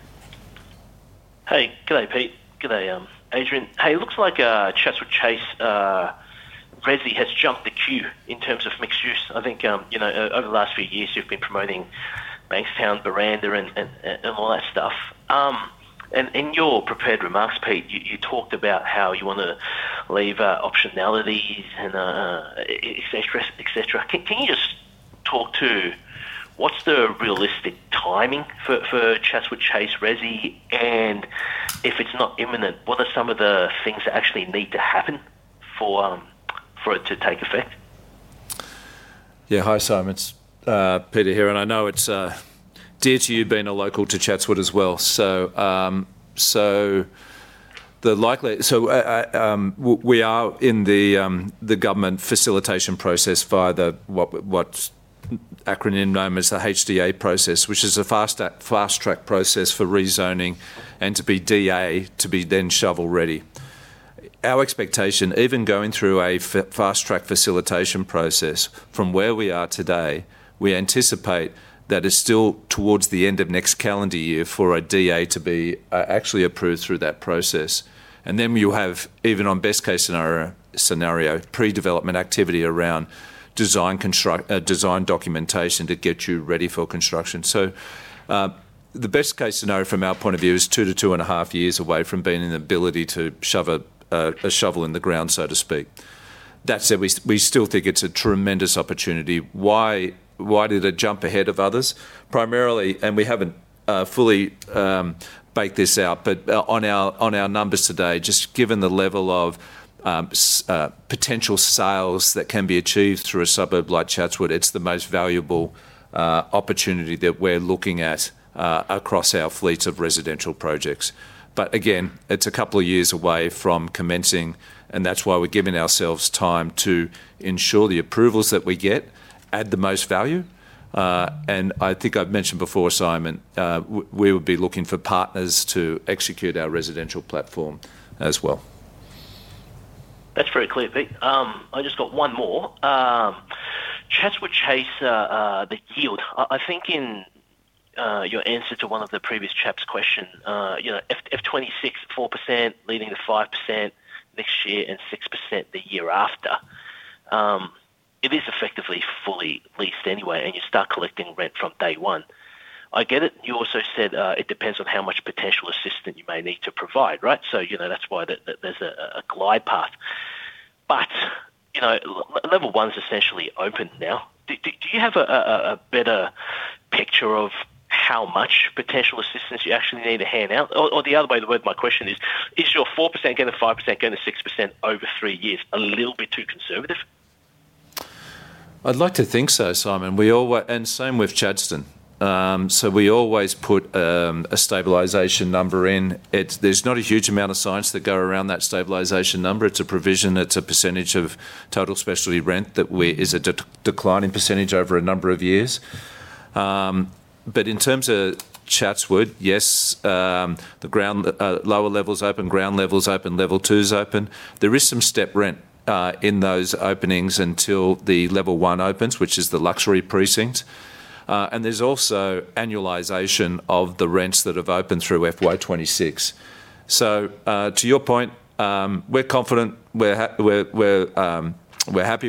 Hey, good day, Pete. Good day, Adrian. Hey, it looks like Chatswood Chase presumably has jumped the queue in terms of mixed use. I think, you know, over the last few years, you've been promoting Bankstown, Buranda, and all that stuff. And in your prepared remarks, Pete, you talked about how you want to leave optionality and et cetera, et cetera. Can you just talk to what's the realistic timing for Chatswood Chase resi? And if it's not imminent, what are some of the things that actually need to happen for it to take effect? Yeah. Hi, Simon, it's Peter here, and I know it's dear to you being a local to Chatswood as well. So, so the likely so I, we are in the government facilitation process via the what's acronym name is the HDA process, which is a fast-track process for rezoning and to be DA to be then shovel-ready. Our expectation, even going through a fast-track facilitation process, from where we are today, we anticipate that it's still towards the end of next calendar year for a DA to be actually approved through that process. And then you have, even on best case scenario, pre-development activity around design documentation to get you ready for construction. So, the best case scenario from our point of view is 2-2.5 years away from being in the ability to shove a shovel in the ground, so to speak. That said, we still think it's a tremendous opportunity. Why did it jump ahead of others? Primarily, and we haven't fully baked this out, but, on our numbers today, just given the level of potential sales that can be achieved through a suburb like Chatswood, it's the most valuable opportunity that we're looking at across our fleets of residential projects. But again, it's a couple of years away from commencing, and that's why we're giving ourselves time to ensure the approvals that we get add the most value. I think I've mentioned before, Simon, we would be looking for partners to execute our residential platform as well. That's very clear, Peter. I just got one more. Chatswood Chase, the yield. I think in your answer to one of the previous chap's question, you know, if 26.4% leading to 5% next year and 6% the year after, it is effectively fully leased anyway, and you start collecting rent from day one. I get it. You also said it depends on how much potential assistance you may need to provide, right? So, you know, that's why there's a glide path. But, you know, level one's essentially open now. Do you have a better picture of how much potential assistance you actually need to hand out? Or, the other way to word my question is: Is your 4% going to 5%, going to 6% over three years, a little bit too conservative? I'd like to think so, Simon. And same with Chadstone. So we always put a stabilization number in. There's not a huge amount of science that go around that stabilization number. It's a provision, it's a percentage of total specialty rent that we is a declining percentage over a number of years. But in terms of Chatswood, yes, the ground lower level is open, ground level is open, level two is open. There is some step rent in those openings until the level 1 opens, which is the luxury precinct. And there's also annualization of the rents that have opened through FY 2026. So to your point, we're confident, we're happy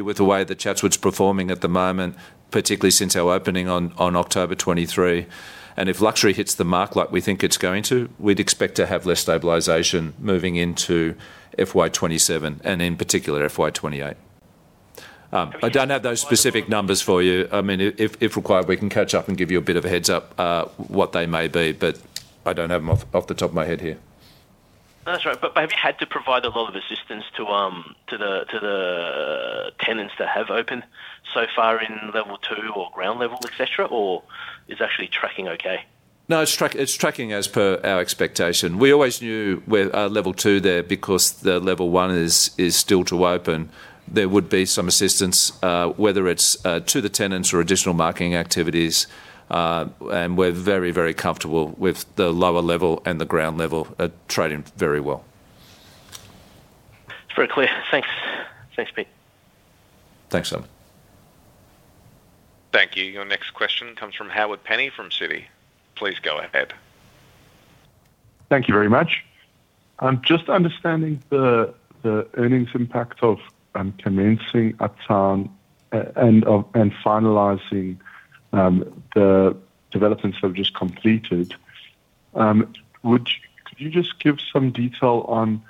with the way that Chatswood's performing at the moment, particularly since our opening on October 2023. If luxury hits the mark like we think it's going to, we'd expect to have less stabilization moving into FY 2027, and in particular, FY 2028. I don't have those specific numbers for you. I mean, if required, we can catch up and give you a bit of a heads up what they may be, but I don't have them off the top of my head here. That's right. But have you had to provide a lot of assistance to the tenants that have opened so far in level two or ground level, et cetera, or is actually tracking okay? No, it's tracking as per our expectation. We always knew with level two there, because the level one is still to open, there would be some assistance, whether it's to the tenants or additional marketing activities. And we're very, very comfortable with the lower level and the ground level are trading very well. It's very clear. Thanks. Thanks, Peter. Thanks, Simon. Thank you. Your next question comes from Howard Penny from Citi. Please go ahead. Thank you very much. Just understanding the earnings impact of commencing Uptown and finalizing the developments that have just completed. Could you just give some detail on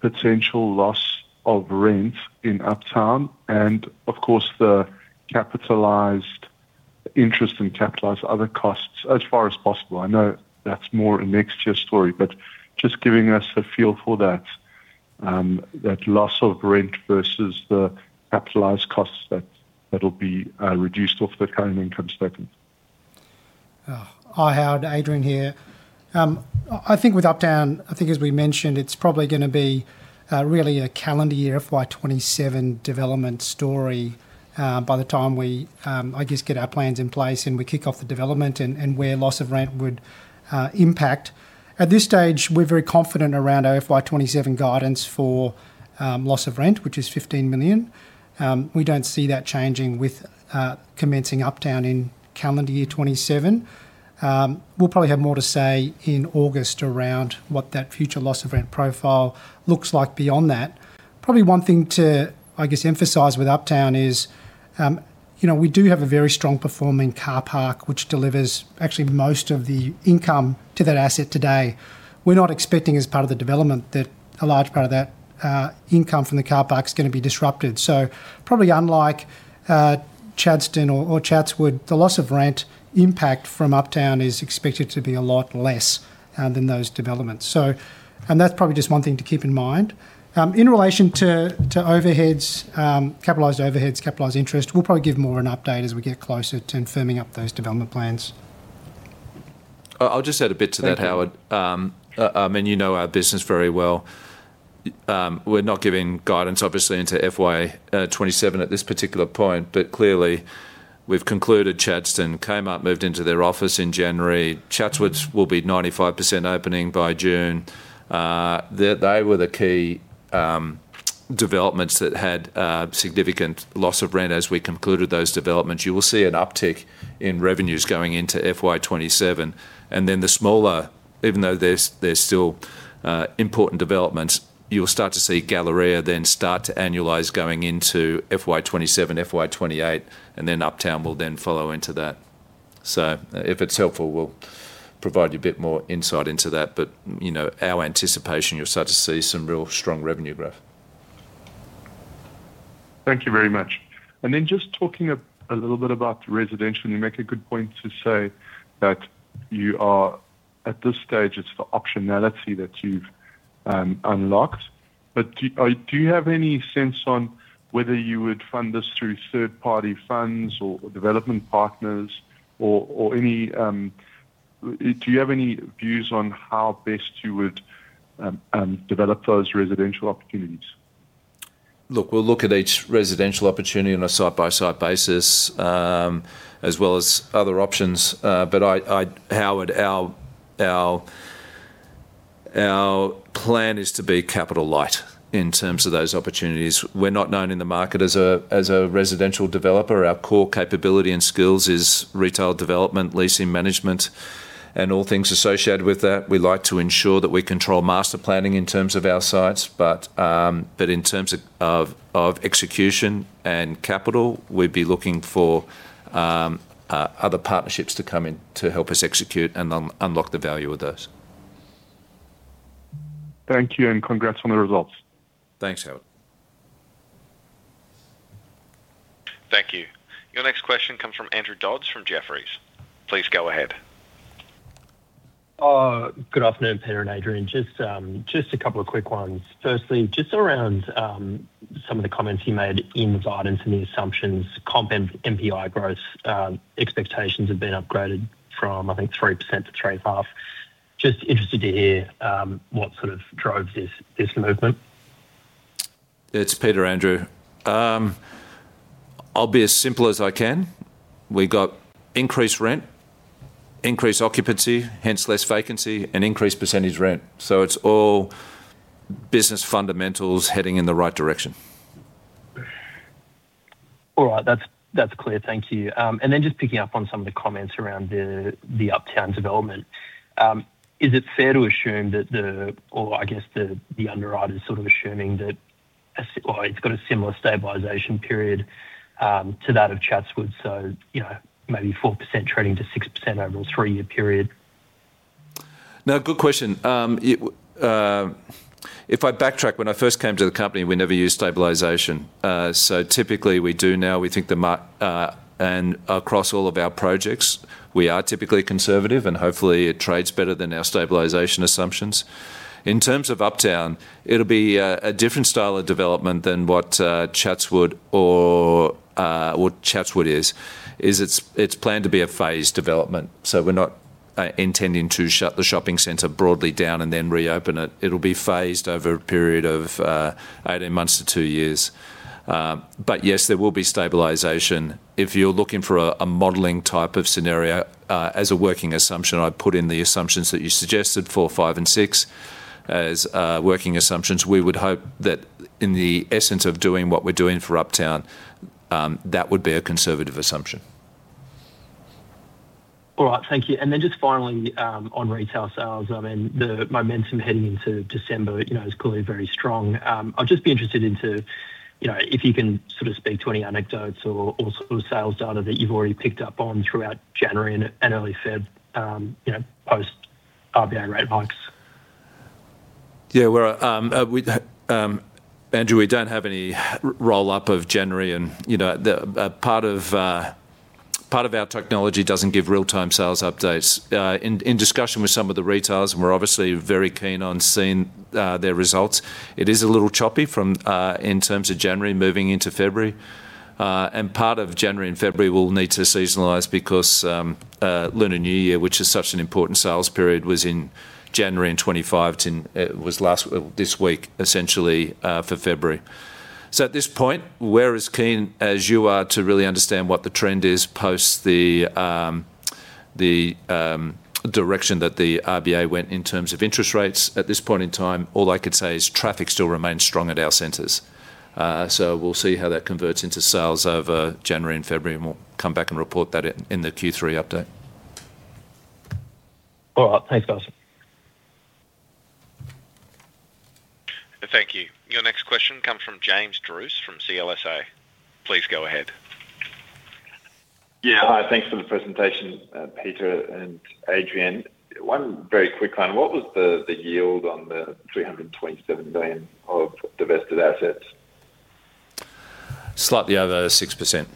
potential loss of rent in Uptown and of course, the capitalized interest and capitalized other costs as far as possible? I know that's more a next year story, but just giving us a feel for that, that loss of rent versus the capitalized costs that that'll be reduced off the current income statement. Hi, Howard, Adrian here. I think with Uptown, I think as we mentioned, it's probably gonna be really a calendar year FY 2027 development story by the time we, I guess, get our plans in place and we kick off the development and where loss of rent would impact. At this stage, we're very confident around our FY 2027 guidance for loss of rent, which is 15 million. We don't see that changing with commencing Uptown in calendar year 2027. We'll probably have more to say in August around what that future loss of rent profile looks like beyond that. Probably one thing to, I guess, emphasize with Uptown is, you know, we do have a very strong performing car park, which delivers actually most of the income to that asset today. We're not expecting, as part of the development, that a large part of that, income from the car park is gonna be disrupted. So probably unlike, Chadstone or, Chatswood, the loss of rent impact from Uptown is expected to be a lot less, than those developments. And that's probably just one thing to keep in mind. In relation to, to overheads, capitalised overheads, capitalised interest, we'll probably give more of an update as we get closer to firming up those development plans. I'll just add a bit to that, Howard. Thank you. I mean, you know our business very well. We're not giving guidance obviously into FY 2027 at this particular point, but clearly we've concluded Chadstone. Kmart moved into their office in January. Chatswood's will be 95% opening by June. They were the key developments that had significant loss of rent as we concluded those developments. You will see an uptick in revenues going into FY 2027, and then even though there's still important developments, you will start to see Galleria then start to annualize going into FY 2027, FY 2028, and then Uptown will then follow into that. So if it's helpful, we'll provide you a bit more insight into that, but you know, our anticipation, you'll start to see some real strong revenue growth. Thank you very much. And then just talking a little bit about residential, you make a good point to say that you are, at this stage, it's the optionality that you've unlocked. But do you have any sense on whether you would fund this through third-party funds or development partners or any. Do you have any views on how best you would develop those residential opportunities? Look, we'll look at each residential opportunity on a site-by-site basis, as well as other options. But Howard, our plan is to be capital light in terms of those opportunities. We're not known in the market as a residential developer. Our core capability and skills is retail development, leasing management, and all things associated with that. We like to ensure that we control master planning in terms of our sites, but in terms of execution and capital, we'd be looking for other partnerships to come in to help us execute and unlock the value of those. Thank you, and congrats on the results. Thanks, Howard. Thank you. Your next question comes from Andrew Dodds, from Jefferies. Please go ahead. Good afternoon, Peter and Adrian. Just a couple of quick ones. Firstly, just around some of the comments you made inside and some of the assumptions, comp and NPI growth expectations have been upgraded from, I think, 3% to 3.5%. Just interested to hear what sort of drove this movement. It's Peter, Andrew. I'll be as simple as I can. We got increased rent, increased occupancy, hence less vacancy, and increased percentage rent. So it's all business fundamentals heading in the right direction. All right. That's, that's clear. Thank you. And then just picking up on some of the comments around the Uptown development. Is it fair to assume that the underwriter is sort of assuming that it's got a similar stabilization period to that of Chatswood, so you know, maybe 4% trading to 6% over a three-year period? No, good question. If I backtrack, when I first came to the company, we never used stabilization. So typically, we do now. We think, and across all of our projects, we are typically conservative, and hopefully, it trades better than our stabilization assumptions. In terms of Uptown, it'll be a different style of development than what Chatswood or what Chatswood is. It's planned to be a phased development, so we're not intending to shut the shopping center broadly down and then reopen it. It'll be phased over a period of 18 months to two years. But yes, there will be stabilization. If you're looking for a modeling type of scenario, as a working assumption, I'd put in the assumptions that you suggested, four, five, and six as working assumptions. We would hope that in the essence of doing what we're doing for Uptown, that would be a conservative assumption. All right. Thank you. And then just finally, on retail sales, I mean, the momentum heading into December, you know, is clearly very strong. I'd just be interested into, you know, if you can sort of speak to any anecdotes or, or sort of sales data that you've already picked up on throughout January and, and early February, you know, post RBA rate hikes. Yeah, well, we, Andrew, we don't have any roll up of January and, you know, the, part of, part of our technology doesn't give real-time sales updates. In discussion with some of the retailers, and we're obviously very keen on seeing, their results, it is a little choppy from, in terms of January moving into February. And part of January and February will need to seasonalize because, Lunar New Year, which is such an important sales period, was in January in 2025, and, was last this week, essentially, for February. So at this point, we're as keen as you are to really understand what the trend is post the, the, direction that the RBA went in terms of interest rates. At this point in time, all I could say is traffic still remains strong at our centers. So we'll see how that converts into sales over January and February, and we'll come back and report that in the Q3 update. All right. Thanks, guys. Your next question comes from James Druce from CLSA. Please go ahead. Yeah. Hi, thanks for the presentation, Peter and Adrian. One very quick one: what was the yield on the 327 million of divested assets? Slightly over 6%.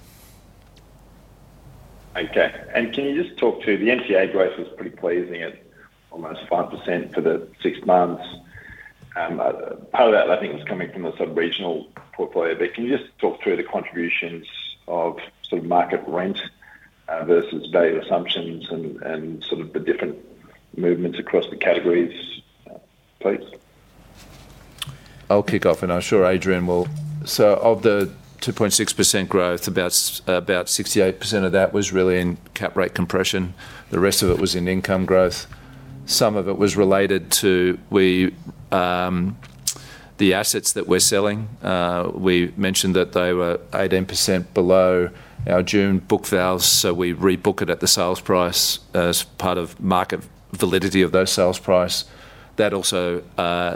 Okay, and can you just talk to the NTA growth was pretty pleasing at almost 5% for the six months. Part of that, I think, was coming from the sub-regional portfolio, but can you just talk through the contributions of sort of market rent versus value assumptions and, and sort of the different movements across the categories, please? I'll kick off, and I'm sure Adrian will so of the 2.6% growth, about sixty-eight percent of that was really in cap rate compression. The rest of it was in income growth. Some of it was related to we, the assets that we're selling. We mentioned that they were 18% below our June book values, so we rebook it at the sales price as part of market validity of those sales price. That also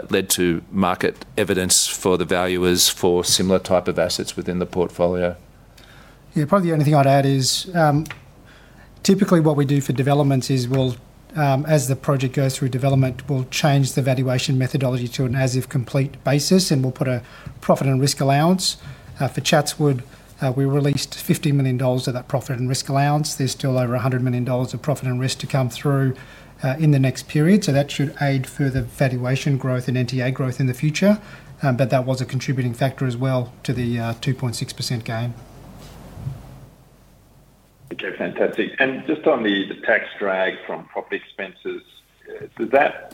led to market evidence for the valuers for similar type of assets within the portfolio. Yeah, probably the only thing I'd add is, typically, what we do for developments is we'll, as the project goes through development, we'll change the valuation methodology to an as-if-complete basis, and we'll put a profit and risk allowance. For Chatswood, we released 50 million dollars of that profit and risk allowance. There's still over 100 million dollars of profit and risk to come through, in the next period, so that should aid further valuation growth and NTA growth in the future. But that was a contributing factor as well to the, 2.6% gain. Okay, fantastic. Just on the tax drag from property expenses, is that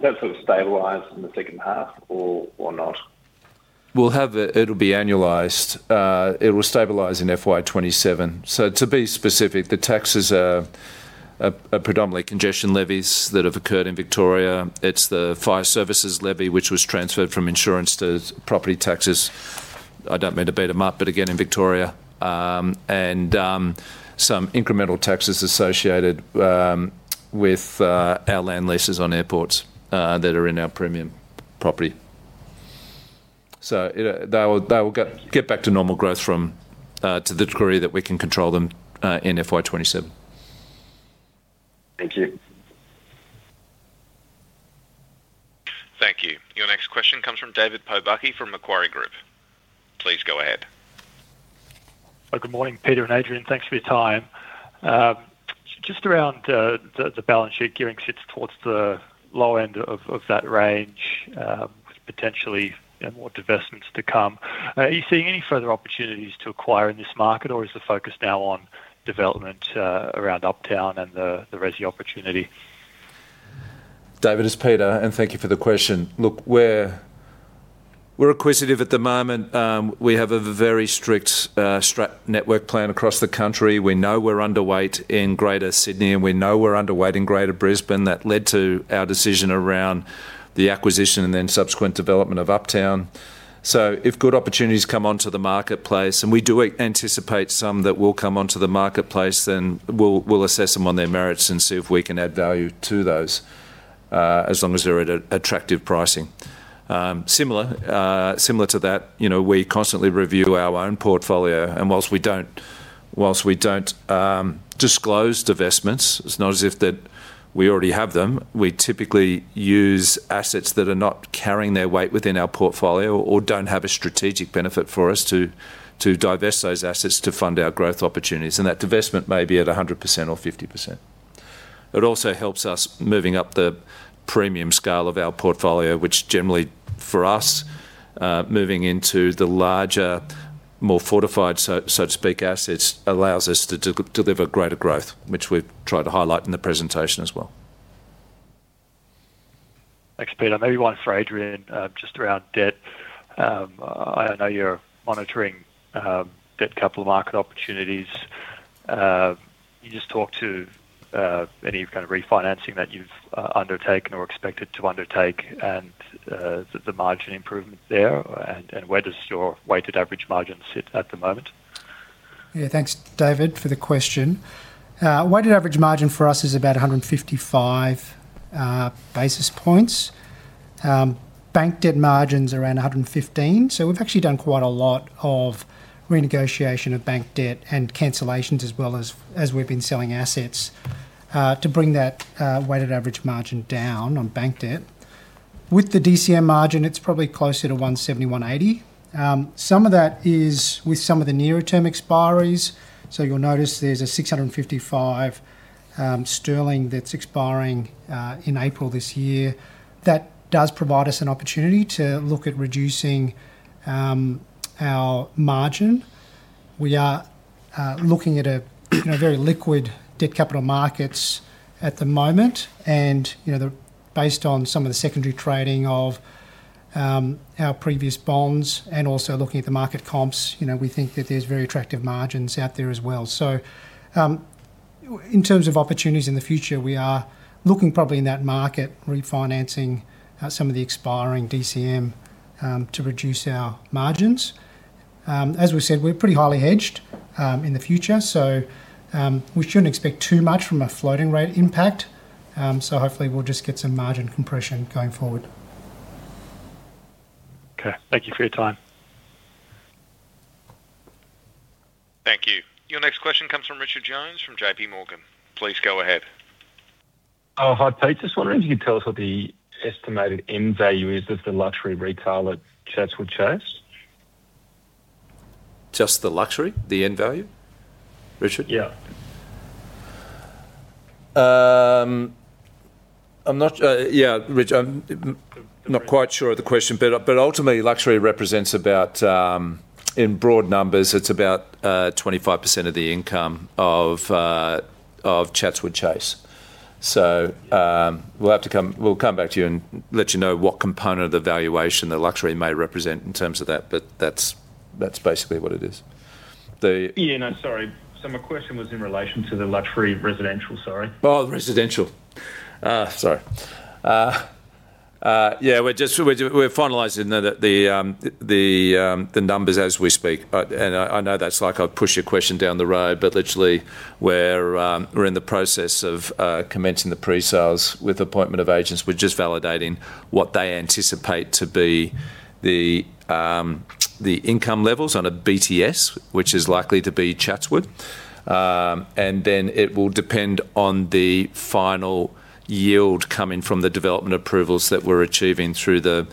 sort of stabilized in the H2 or not? It'll be annualized. It will stabilize in FY 2027. So to be specific, the taxes are predominantly congestion levies that have occurred in Victoria. It's the fire services levy, which was transferred from insurance to property taxes. I don't mean to beat them up, but again, in Victoria. And some incremental taxes associated with our land leases on airports that are in our premium property. So that will get back to normal growth from, to the degree that we can control them, in FY 2027. Thank you. Thank you. Your next question comes from David Pobucky from Macquarie Group. Please go ahead. Good morning, Peter and Adrian. Thanks for your time. Just around the balance sheet gearing sits towards the low end of that range, with potentially, you know, more divestments to come. Are you seeing any further opportunities to acquire in this market, or is the focus now on development around Uptown and the resi opportunity? David, it's Peter, and thank you for the question. Look, we're, we're acquisitive at the moment. We have a very strict strategic network plan across the country. We know we're underweight in Greater Sydney, and we know we're underweight in Greater Brisbane. That led to our decision around the acquisition and then subsequent development of Uptown. So if good opportunities come onto the marketplace, and we do anticipate some that will come onto the marketplace, then we'll, we'll assess them on their merits and see if we can add value to those, as long as they're at a attractive pricing. Similar to that, you know, we constantly review our own portfolio, and whilst we don't, whilst we don't, disclose divestments, it's not as if that we already have them. We typically use assets that are not carrying their weight within our portfolio or don't have a strategic benefit for us to divest those assets to fund our growth opportunities, and that divestment may be at 100% or 50%. It also helps us moving up the premium scale of our portfolio, which generally, for us, moving into the larger, more fortified, so to speak, assets, allows us to deliver greater growth, which we've tried to highlight in the presentation as well. Thanks, Peter. Maybe one for Adrian, just around debt. I know you're monitoring debt capital market opportunities. Can you just talk to any kind of refinancing that you've undertaken or expected to undertake and the margin improvement there? And where does your weighted average margin sit at the moment? Yeah. Thanks, David, for the question. Weighted average margin for us is about 155 basis points. Bank debt margin's around 115, so we've actually done quite a lot of renegotiation of bank debt and cancellations, as well as, as we've been selling assets, to bring that weighted average margin down on bank debt. With the DCM margin, it's probably closer to 170-180. Some of that is with some of the nearer-term expiries. So you'll notice there's a 655 sterling that's expiring in April this year. That does provide us an opportunity to look at reducing our margin. We are looking at a, you know, very liquid debt capital markets at the moment, and, you know, based on some of the secondary trading of our previous bonds and also looking at the market comps, you know, we think that there's very attractive margins out there as well. So, in terms of opportunities in the future, we are looking probably in that market, refinancing some of the expiring DCM to reduce our margins. As we said, we're pretty highly hedged in the future. So, we shouldn't expect too much from a floating rate impact. So hopefully we'll just get some margin compression going forward. Okay, thank you for your time. Thank you. Your next question comes from Richard Jones from JPMorgan. Please go ahead. Oh, hi, Pete. Just wondering if you could tell us what the estimated end value is of the luxury retail at Chatswood Chase? Just the luxury, the end value, Richard? Yeah. Yeah, Rich, I'm not quite sure of the question, but ultimately, luxury represents about, in broad numbers, it's about 25% of the income of Chatswood Chase. So, we'll have to come. We'll come back to you and let you know what component of the valuation the luxury may represent in terms of that, but that's basically what it is. The Yeah, no, sorry. So my question was in relation to the luxury residential, sorry. Oh, residential. Sorry. Yeah, we're just finalizing the numbers as we speak. But, and I know that's like I'd push a question down the road, but literally where we're in the process of commencing the pre-sales with appointment of agents. We're just validating what they anticipate to be the income levels on a BTS, which is likely to be Chatswood. And then it will depend on the final yield coming from the development approvals that we're achieving through the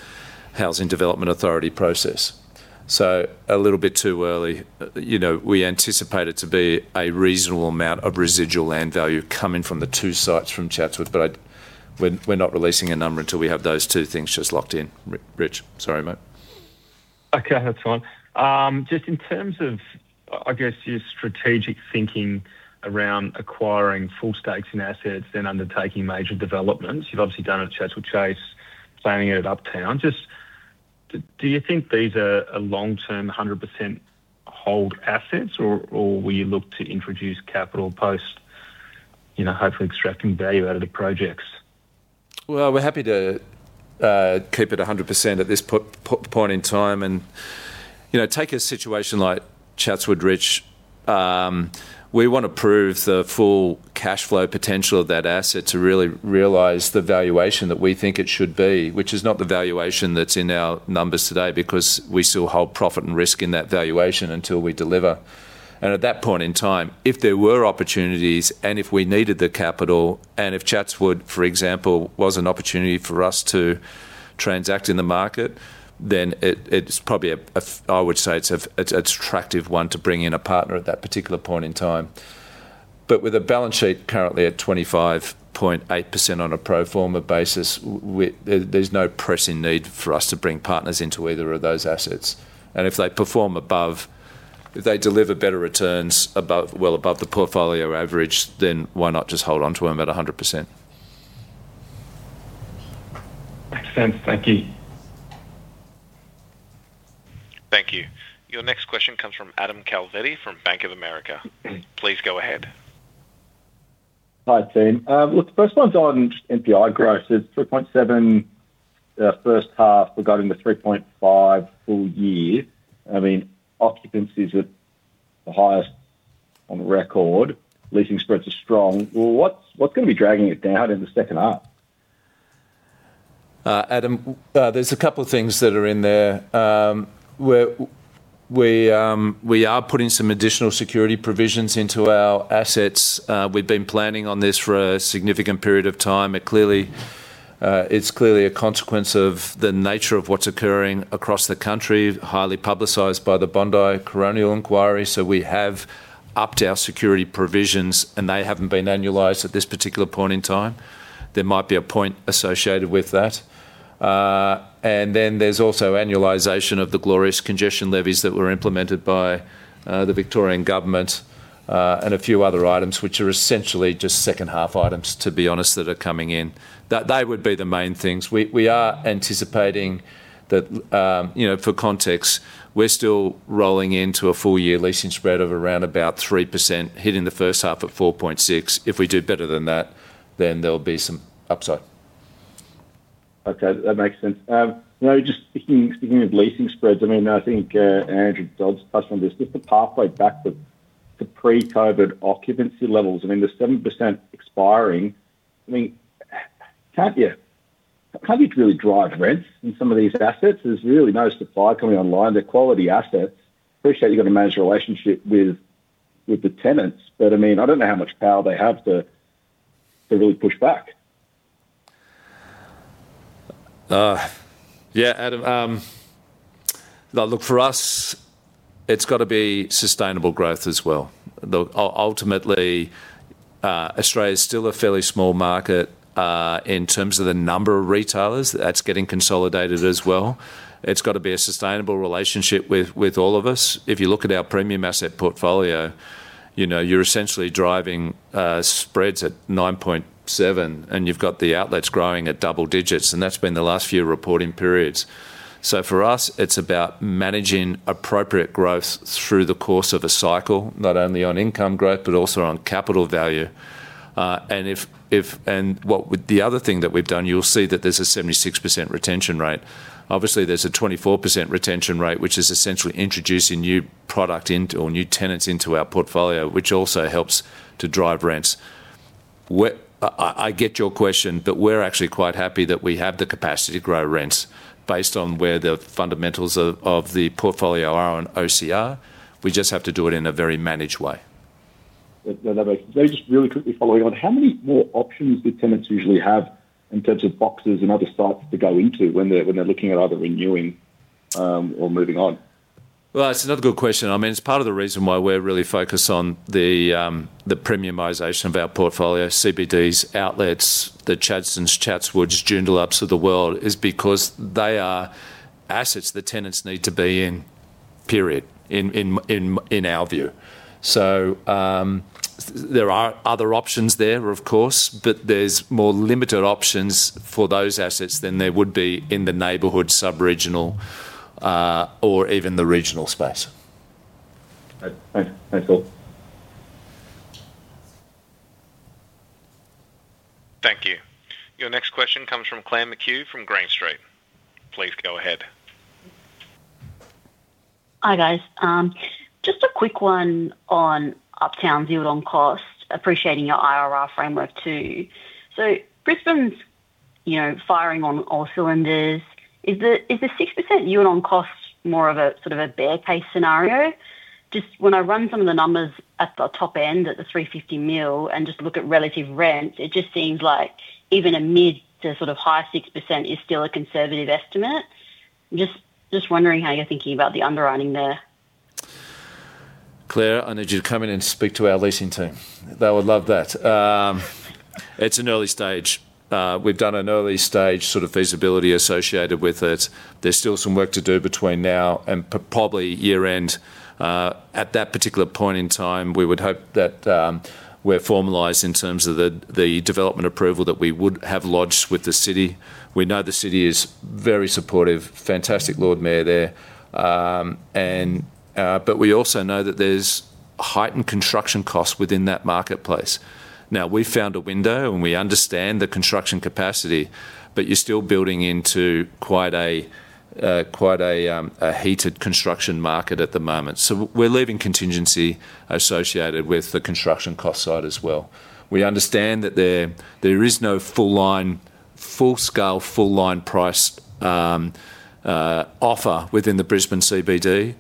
Housing Development Authority process. So a little bit too early. You know, we anticipate it to be a reasonable amount of residual land value coming from the two sites from Chatswood, but we're not releasing a number until we have those two things just locked in. Rich, sorry about it. Okay, that's fine. Just in terms of, I guess, your strategic thinking around acquiring full stakes in assets and undertaking major developments, you've obviously done at Chatswood Chase, planning it at Uptown. Just, do you think these are a long-term, 100% hold assets, or will you look to introduce capital post, you know, hopefully extracting value out of the projects? Well, we're happy to keep it 100% at this point in time. And, you know, take a situation like Chatswood, Rich. We want to prove the full cash flow potential of that asset to really realize the valuation that we think it should be, which is not the valuation that's in our numbers today, because we still hold profit and risk in that valuation until we deliver. And at that point in time, if there were opportunities, and if we needed the capital, and if Chatswood, for example, was an opportunity for us to transact in the market, then it's probably a. I would say it's a, it's attractive one to bring in a partner at that particular point in time. But with a balance sheet currently at 25.8% on a pro forma basis, there's no pressing need for us to bring partners into either of those assets. And if they deliver better returns above, well, above the portfolio average, then why not just hold on to them at 100%? Makes sense. Thank you. Thank you. Your next question comes from Adam Calvetti from Bank of America. Please go ahead. Hi, team. Look, the first one's on NPI growth. It's 3.7, H1, but got into 3.5 full year. I mean, occupancy is at the highest on record, leasing spreads are strong. Well, what's, what's going to be dragging it down in the H2? Adam, there's a couple of things that are in there. We're putting some additional security provisions into our assets. We've been planning on this for a significant period of time. It's clearly a consequence of the nature of what's occurring across the country, highly publicized by the Bondi Coronial Inquiry. So we have upped our security provisions, and they haven't been annualized at this particular point in time. There might be a point associated with that. And then there's also annualization of the glorious congestion levies that were implemented by the Victorian government, and a few other items, which are essentially just second-half items, to be honest, that are coming in. That would be the main things. We are anticipating that, you know, for context, we're still rolling into a full year leasing spread of around about 3%, hitting the H1 at 4.6%. If we do better than that, then there'll be some upside. Okay, that makes sense. You know, just speaking of leasing spreads, I mean, I think Andrew Dodds touched on this, just the pathway back to pre-COVID occupancy levels. I mean, the 7% expiring, I mean, can't you, can't you really drive rents in some of these assets? There's really no supply coming online. They're quality assets. Appreciate you've got to manage a relationship with the tenants, but, I mean, I don't know how much power they have to really push back. Yeah, Adam, now look, for us, it's got to be sustainable growth as well. Ultimately, Australia is still a fairly small market, in terms of the number of retailers, that's getting consolidated as well. It's got to be a sustainable relationship with, with all of us. If you look at our premium asset portfolio, you know, you're essentially driving spreads at 9.7%, and you've got the outlets growing at double digits, and that's been the last few reporting periods. So for us, it's about managing appropriate growth through the course of a cycle, not only on income growth, but also on capital value. With the other thing that we've done, you'll see that there's a 76% retention rate. Obviously, there's a 24% retention rate, which is essentially introducing new product into or new tenants into our portfolio, which also helps to drive rents. I get your question, but we're actually quite happy that we have the capacity to grow rents based on where the fundamentals of the portfolio are on OCR. We just have to do it in a very managed way. Yeah, look, just really quickly following on, how many more options do tenants usually have in terms of boxes and other sites to go into when they're looking at either renewing, or moving on? Well, it's another good question. I mean, it's part of the reason why we're really focused on the premiumization of our portfolio, CBDs, outlets, the Chadstones, Chatswoods, Joondalups of the world, is because they are assets the tenants need to be in, period, in our view. So, there are other options there, of course, but there's more limited options for those assets than there would be in the neighborhood, sub-regional, or even the regional space. Okay. Thanks, all. Thank you. Your next question comes from Claire McHugh from Green Street. Please go ahead. Hi, guys. Just a quick one on Uptown yield on cost, appreciating your IRR framework, too. So Brisbane's, you know, firing on all cylinders. Is the, is the 6% yield on cost more of a sort of a bear case scenario? Just when I run some of the numbers at the top end, at the 350 million, and just look at relative rent, it just seems like even a mid- to sort of high 6% is still a conservative estimate. Just, just wondering how you're thinking about the underwriting there. Claire, I need you to come in and speak to our leasing team. They would love that. It's an early stage. We've done an early stage sort of feasibility associated with it. There's still some work to do between now and probably year-end. At that particular point in time, we would hope that we're formalized in terms of the development approval that we would have lodged with the city. We know the city is very supportive, fantastic Lord Mayor there. But we also know that there's heightened construction costs within that marketplace. Now, we found a window, and we understand the construction capacity, but you're still building into quite a heated construction market at the moment. So we're leaving contingency associated with the construction cost side as well. We understand that there is no full line, full scale, full line price offer within the Brisbane CBD.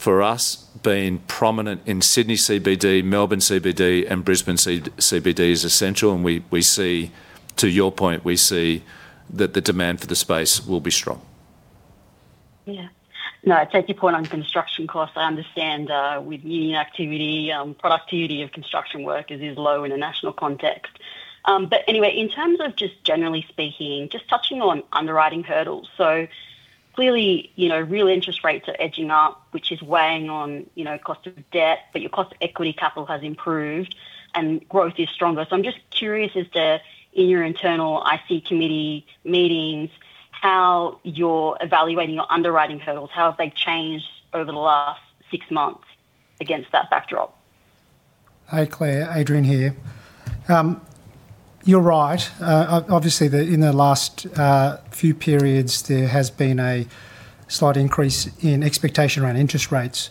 For us, being prominent in Sydney CBD, Melbourne CBD, and Brisbane CBD is essential, and we see. To your point, we see that the demand for the space will be strong. Yeah. No, I take your point on construction costs. I understand, with union activity, productivity of construction workers is low in a national context. But anyway, in terms of just generally speaking, just touching on underwriting hurdles. So clearly, you know, real interest rates are edging up, which is weighing on, you know, cost of debt, but your cost of equity capital has improved and growth is stronger. So I'm just curious as to, in your internal IC committee meetings, how you're evaluating your underwriting hurdles, how have they changed over the last six months against that backdrop? Hi, Claire. Adrian here. You're right. Obviously, in the last few periods, there has been a slight increase in expectation around interest rates.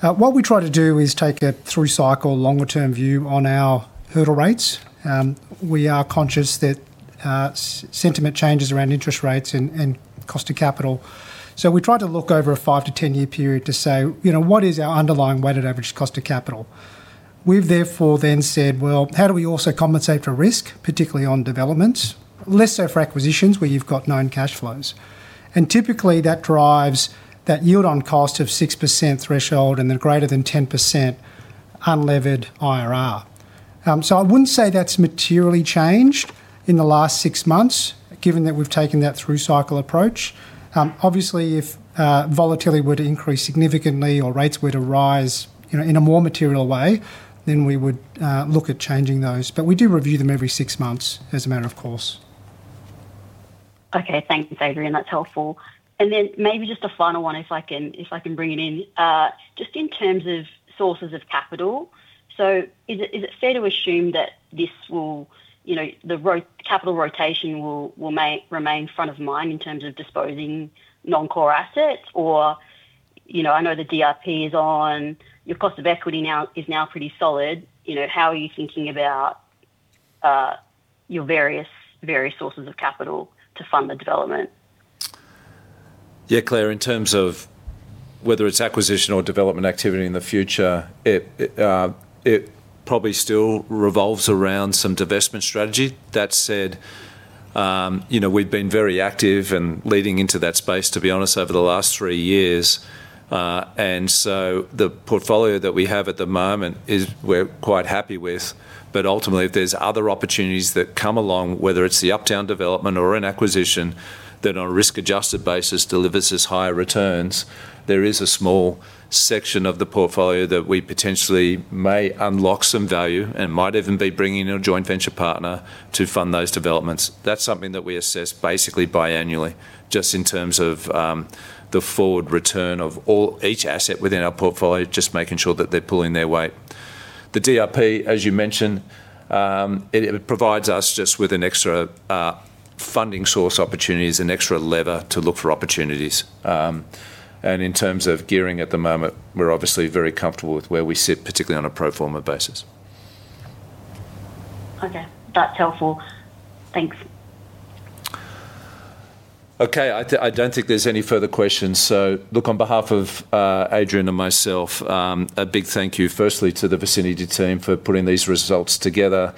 What we try to do is take a three cycle, longer-term view on our hurdle rates. We are conscious that sentiment changes around interest rates and cost of capital. So we try to look over a five to 10 year period to say, you know, "What is our underlying weighted average cost of capital?" We've therefore then said: Well, how do we also compensate for risk, particularly on developments, less so for acquisitions, where you've got known cash flows? And typically, that drives that yield on cost of 6% threshold and then greater than 10% unlevered IRR. So I wouldn't say that's materially changed in the last six months, given that we've taken that through-cycle approach. Obviously, if volatility were to increase significantly or rates were to rise, you know, in a more material way, then we would look at changing those. But we do review them every six months as a matter of course. Okay, thanks, Adrian. That's helpful. And then maybe just a final one, if I can bring it in. Just in terms of sources of capital, so is it fair to assume that this will you know, the capital rotation will remain front of mind in terms of disposing non-core assets? Or, you know, I know the DRP is on, your cost of equity now is pretty solid. You know, how are you thinking about your various sources of capital to fund the development? Yeah, Claire, in terms of whether it's acquisition or development activity in the future, it probably still revolves around some divestment strategy. That said, you know, we've been very active and leading into that space, to be honest, over the last three years. And so the portfolio that we have at the moment is we're quite happy with. But ultimately, if there's other opportunities that come along, whether it's the Uptown development or an acquisition, that on a risk-adjusted basis delivers us higher returns, there is a small section of the portfolio that we potentially may unlock some value and might even be bringing in a joint venture partner to fund those developments. That's something that we assess basically biannually, just in terms of the forward return of each asset within our portfolio, just making sure that they're pulling their weight. The DRP, as you mentioned, it provides us just with an extra funding source opportunities, an extra lever to look for opportunities. And in terms of gearing at the moment, we're obviously very comfortable with where we sit, particularly on a pro forma basis. Okay, that's helpful. Thanks. Okay, I don't think there's any further questions. So look, on behalf of, Adrian and myself, a big thank you, firstly, to the Vicinity team for putting these results together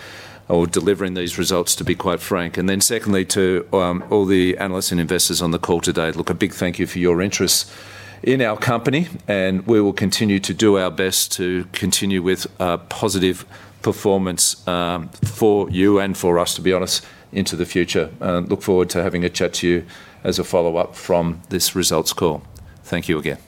or delivering these results, to be quite frank. And then secondly, to, all the analysts and investors on the call today. Look, a big thank you for your interest in our company, and we will continue to do our best to continue with, positive performance, for you and for us, to be honest, into the future. Look forward to having a chat to you as a follow-up from this results call. Thank you again.